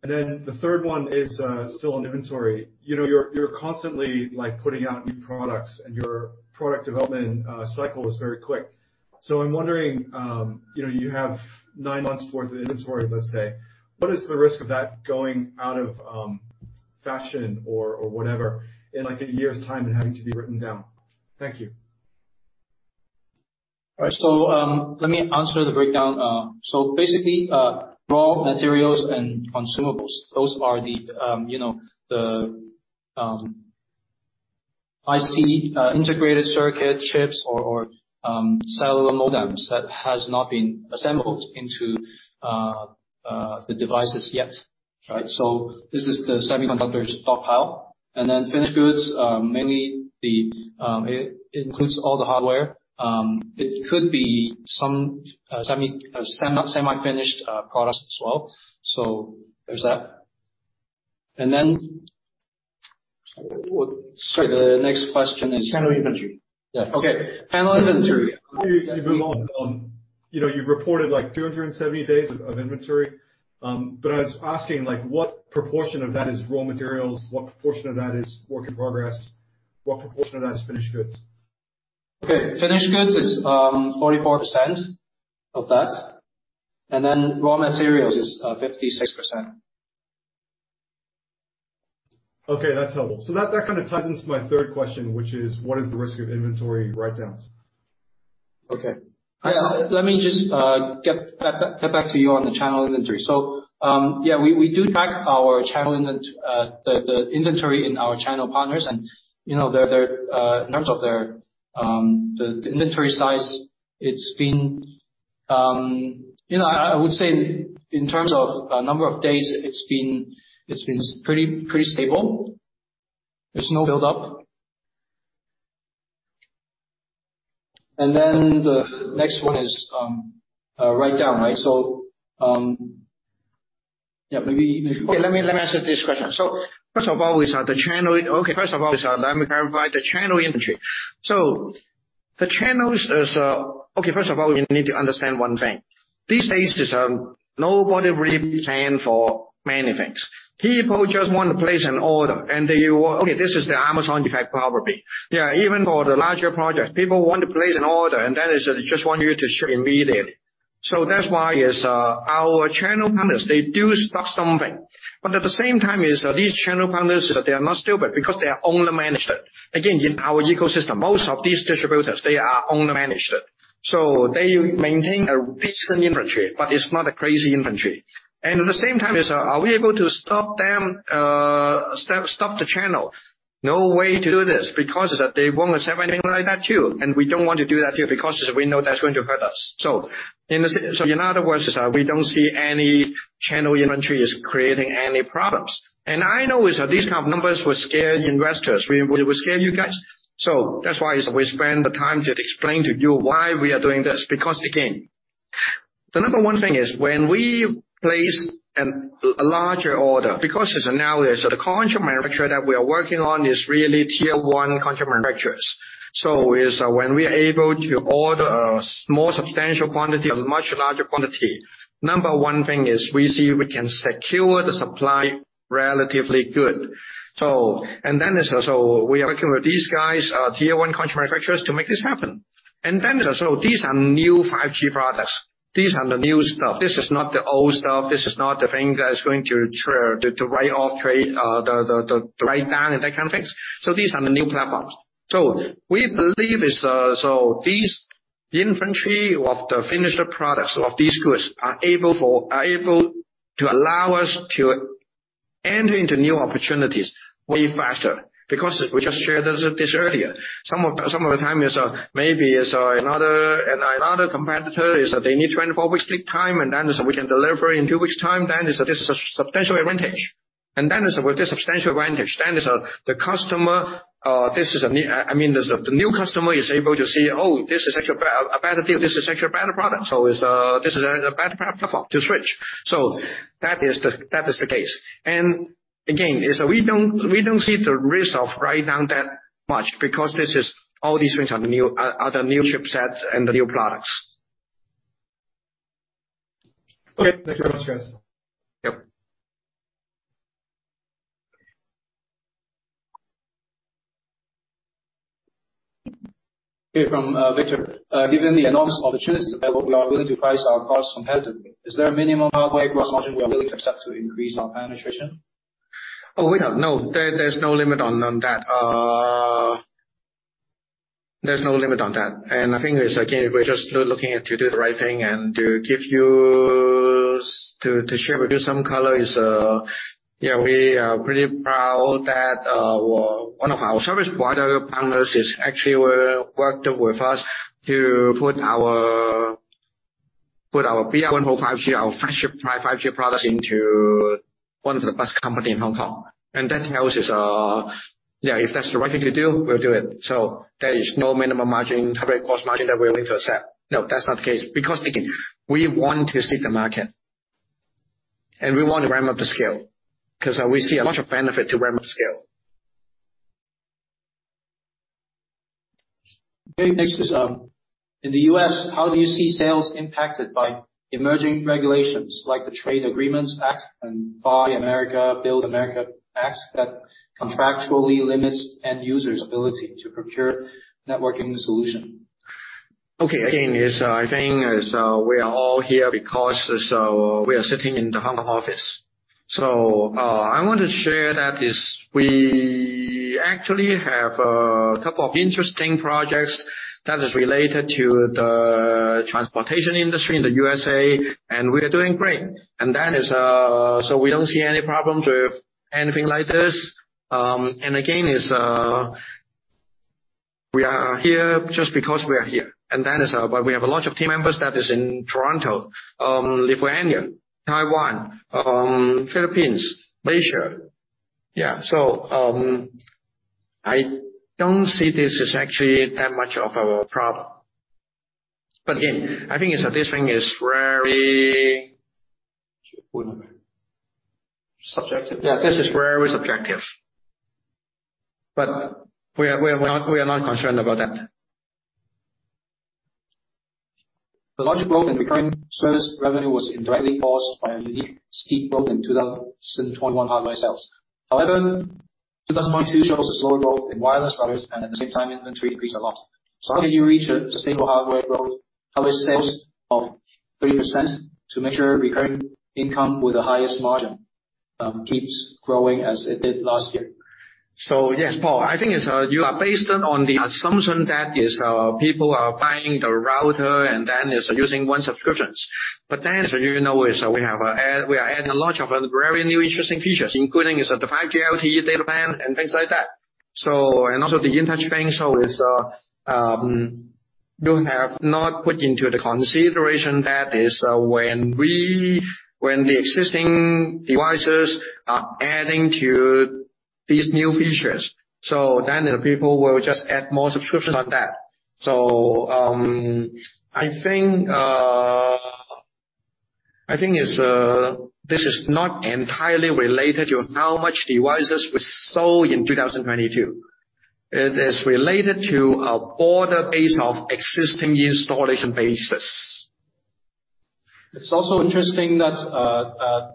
The third one is still on inventory. You know, you're constantly like putting out new products and your product development cycle is very quick. I'm wondering, you know, you have nine months worth of inventory, let's say. What is the risk of that going out of fashion or whatever in like a year's time and having to be written down? Thank you. All right. Let me answer the breakdown. Basically, raw materials and consumables, those are the, you know, the IC, integrated circuit chips or cellular modems that has not been assembled into the devices yet, right? This is the semiconductors stockpile. Finished goods, mainly it includes all the hardware. It could be some semi-finished products as well. There's that. Sorry, the next question is- Channel inventory. Yeah. Okay. Channel inventory. You've been long, you know, you've reported like 270 days of inventory. I was asking like, what proportion of that is raw materials? What proportion of that is work in progress? What proportion of that is finished goods? Okay. Finished goods is 44% of that. Raw materials is 56%. Okay, that's helpful. That kinda ties into my third question, which is what is the risk of inventory write-downs? Okay. I, let me just get back to you on the channel inventory. Yeah, we do track our channel inventory in our channel partners and, you know, their in terms of their the inventory size, it's been, you know, I would say in terms of number of days, it's been pretty stable. There's no buildup. The next one is write down, right? Yeah, Okay. Let me answer this question. First of all, the channel. First of all, let me clarify the channel inventory. The channel's. First of all, we need to understand one thing. These days, nobody really plans for many things. People just want to place an order, and they will. This is the Amazon effect probably. Yeah, even for the larger projects, people want to place an order, and then just want you to ship immediately. That's why our channel partners, they do stock something, but at the same time, these channel partners, they are not stupid because they are owner-managed. Again, in our ecosystem, most of these distributors, they are owner-managed. They maintain a decent inventory, but it's not a crazy inventory. At the same time is, are we able to stop them, stop the channel? No way to do this because they won't have anything like that too. We don't want to do that here because we know that's going to hurt us. In other words is, we don't see any channel inventory is creating any problems. I know is that these kind of numbers will scare investors. It will scare you guys. That's why is we spend the time to explain to you why we are doing this. Again. The number 1 thing is when we place an, a larger order, because it's analysis of the contract manufacturer that we are working on is really tier 1 contract manufacturers. When we are able to order a more substantial quantity or much larger quantity, number one thing is we see if we can secure the supply relatively good. We are working with these guys, tier one contract manufacturers to make this happen. These are new 5G products. These are the new stuff. This is not the old stuff. This is not the thing that is going to write off trade, the write down and that kind of things. These are the new platforms. We believe these inventory of the finished products of these goods are able to allow us to enter into new opportunities way faster. Because we just shared this earlier. Some of the time is maybe is another. Another competitor is they need 24 weeks lead time, we can deliver in two weeks time, this is a substantial advantage. With this substantial advantage, the customer, I mean, this is the new customer is able to see, "Oh, this is actually a better deal. This is actually a better product. It's a better platform to switch." That is the case. Again, we don't see the risk of write down that much because this is all these things are the new chipsets and the new products. Okay. Thank you very much, Alex. Yep. Okay. From Victor. Given the enormous opportunities available, we are willing to price our costs competitively. Is there a minimum hardware gross margin we are willing to accept to increase our penetration? We have. No. There's no limit on that. There's no limit on that. I think it's, again, we're just looking at to do the right thing and to give to share with you some color is, yeah, we are pretty proud that one of our service provider partners is actually working with us to put our, put our BR1 5G, our flagship 5G products into one of the best company in Hong Kong. That tells us, yeah, if that's the right thing to do, we'll do it. There is no minimum margin, hardware gross margin that we're willing to accept. No, that's not the case. Because again, we want to see the market, and we want to ramp up the scale 'cause we see a bunch of benefit to ramp up scale. Okay, thanks. In the U.S., how do you see sales impacted by emerging regulations like the Trade Agreements Act and Build America, Buy America Act that contractually limits end users ability to procure networking solution? Okay. Again, is I think is, we are all here because we are sitting in the Hong Kong office. I want to share that is we actually have a couple of interesting projects that is related to the transportation industry in the USA, and we are doing great. That is. We don't see any problems with anything like this. Again, is, we are here just because we are here. That is, we have a lot of team members that is in Toronto, Lithuania, Taiwan, Philippines, Malaysia. Yeah. I don't see this as actually that much of a problem. Again, I think is that this thing is. Subjective. Yeah. This is very subjective. We are not concerned about that. The large growth in recurring service revenue was indirectly caused by a unique steep growth in 2021 hardware sales. 2022 shows a slower growth in wireless routers and at the same time inventory increased a lot. How do you reach a sustainable hardware growth? How is sales of 3% to make sure recurring income with the highest margin keeps growing as it did last year? Yes, Paul, I think it's, you are based on the assumption that people are buying the router and then is using one subscriptions. You know, we are adding a lot of very new interesting features, including is the 5G/LTE data plan and things like that. Also the InTouch. Is, you have not put into the consideration that when the existing devices are adding to these new features, so then the people will just add more subscriptions on that. I think, I think it's, this is not entirely related to how much devices we sold in 2022. It is related to a order base of existing installation base. It's also interesting that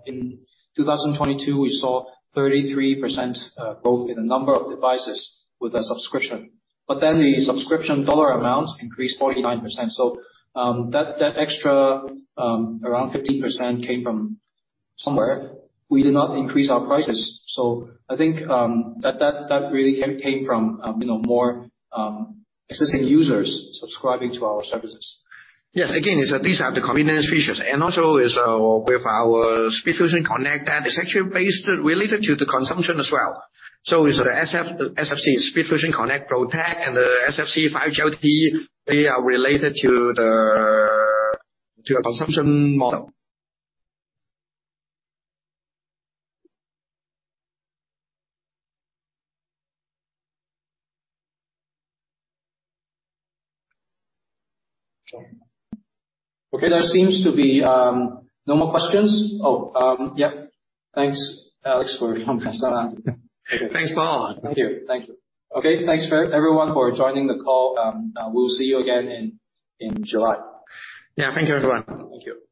in 2022, we saw 33% growth in the number of devices with a subscription. Then the subscription dollar amounts increased 49%. That extra around 15% came from somewhere. We did not increase our prices. I think that really came from, you know, more existing users subscribing to our services. Yes. Again, these are the convenience features. Also, with our SpeedFusion Connect, that is actually based related to the consumption as well. The SFC, SpeedFusion Connect Pro Pack and the SFC 5G/LTE, they are related to a consumption model. There seems to be no more questions. yep. Thanks, Alex, for coming. Thanks, Paul. Thank you. Thank you. Okay. Thanks, everyone, for joining the call. We'll see you again in July. Yeah. Thank you, everyone. Thank you.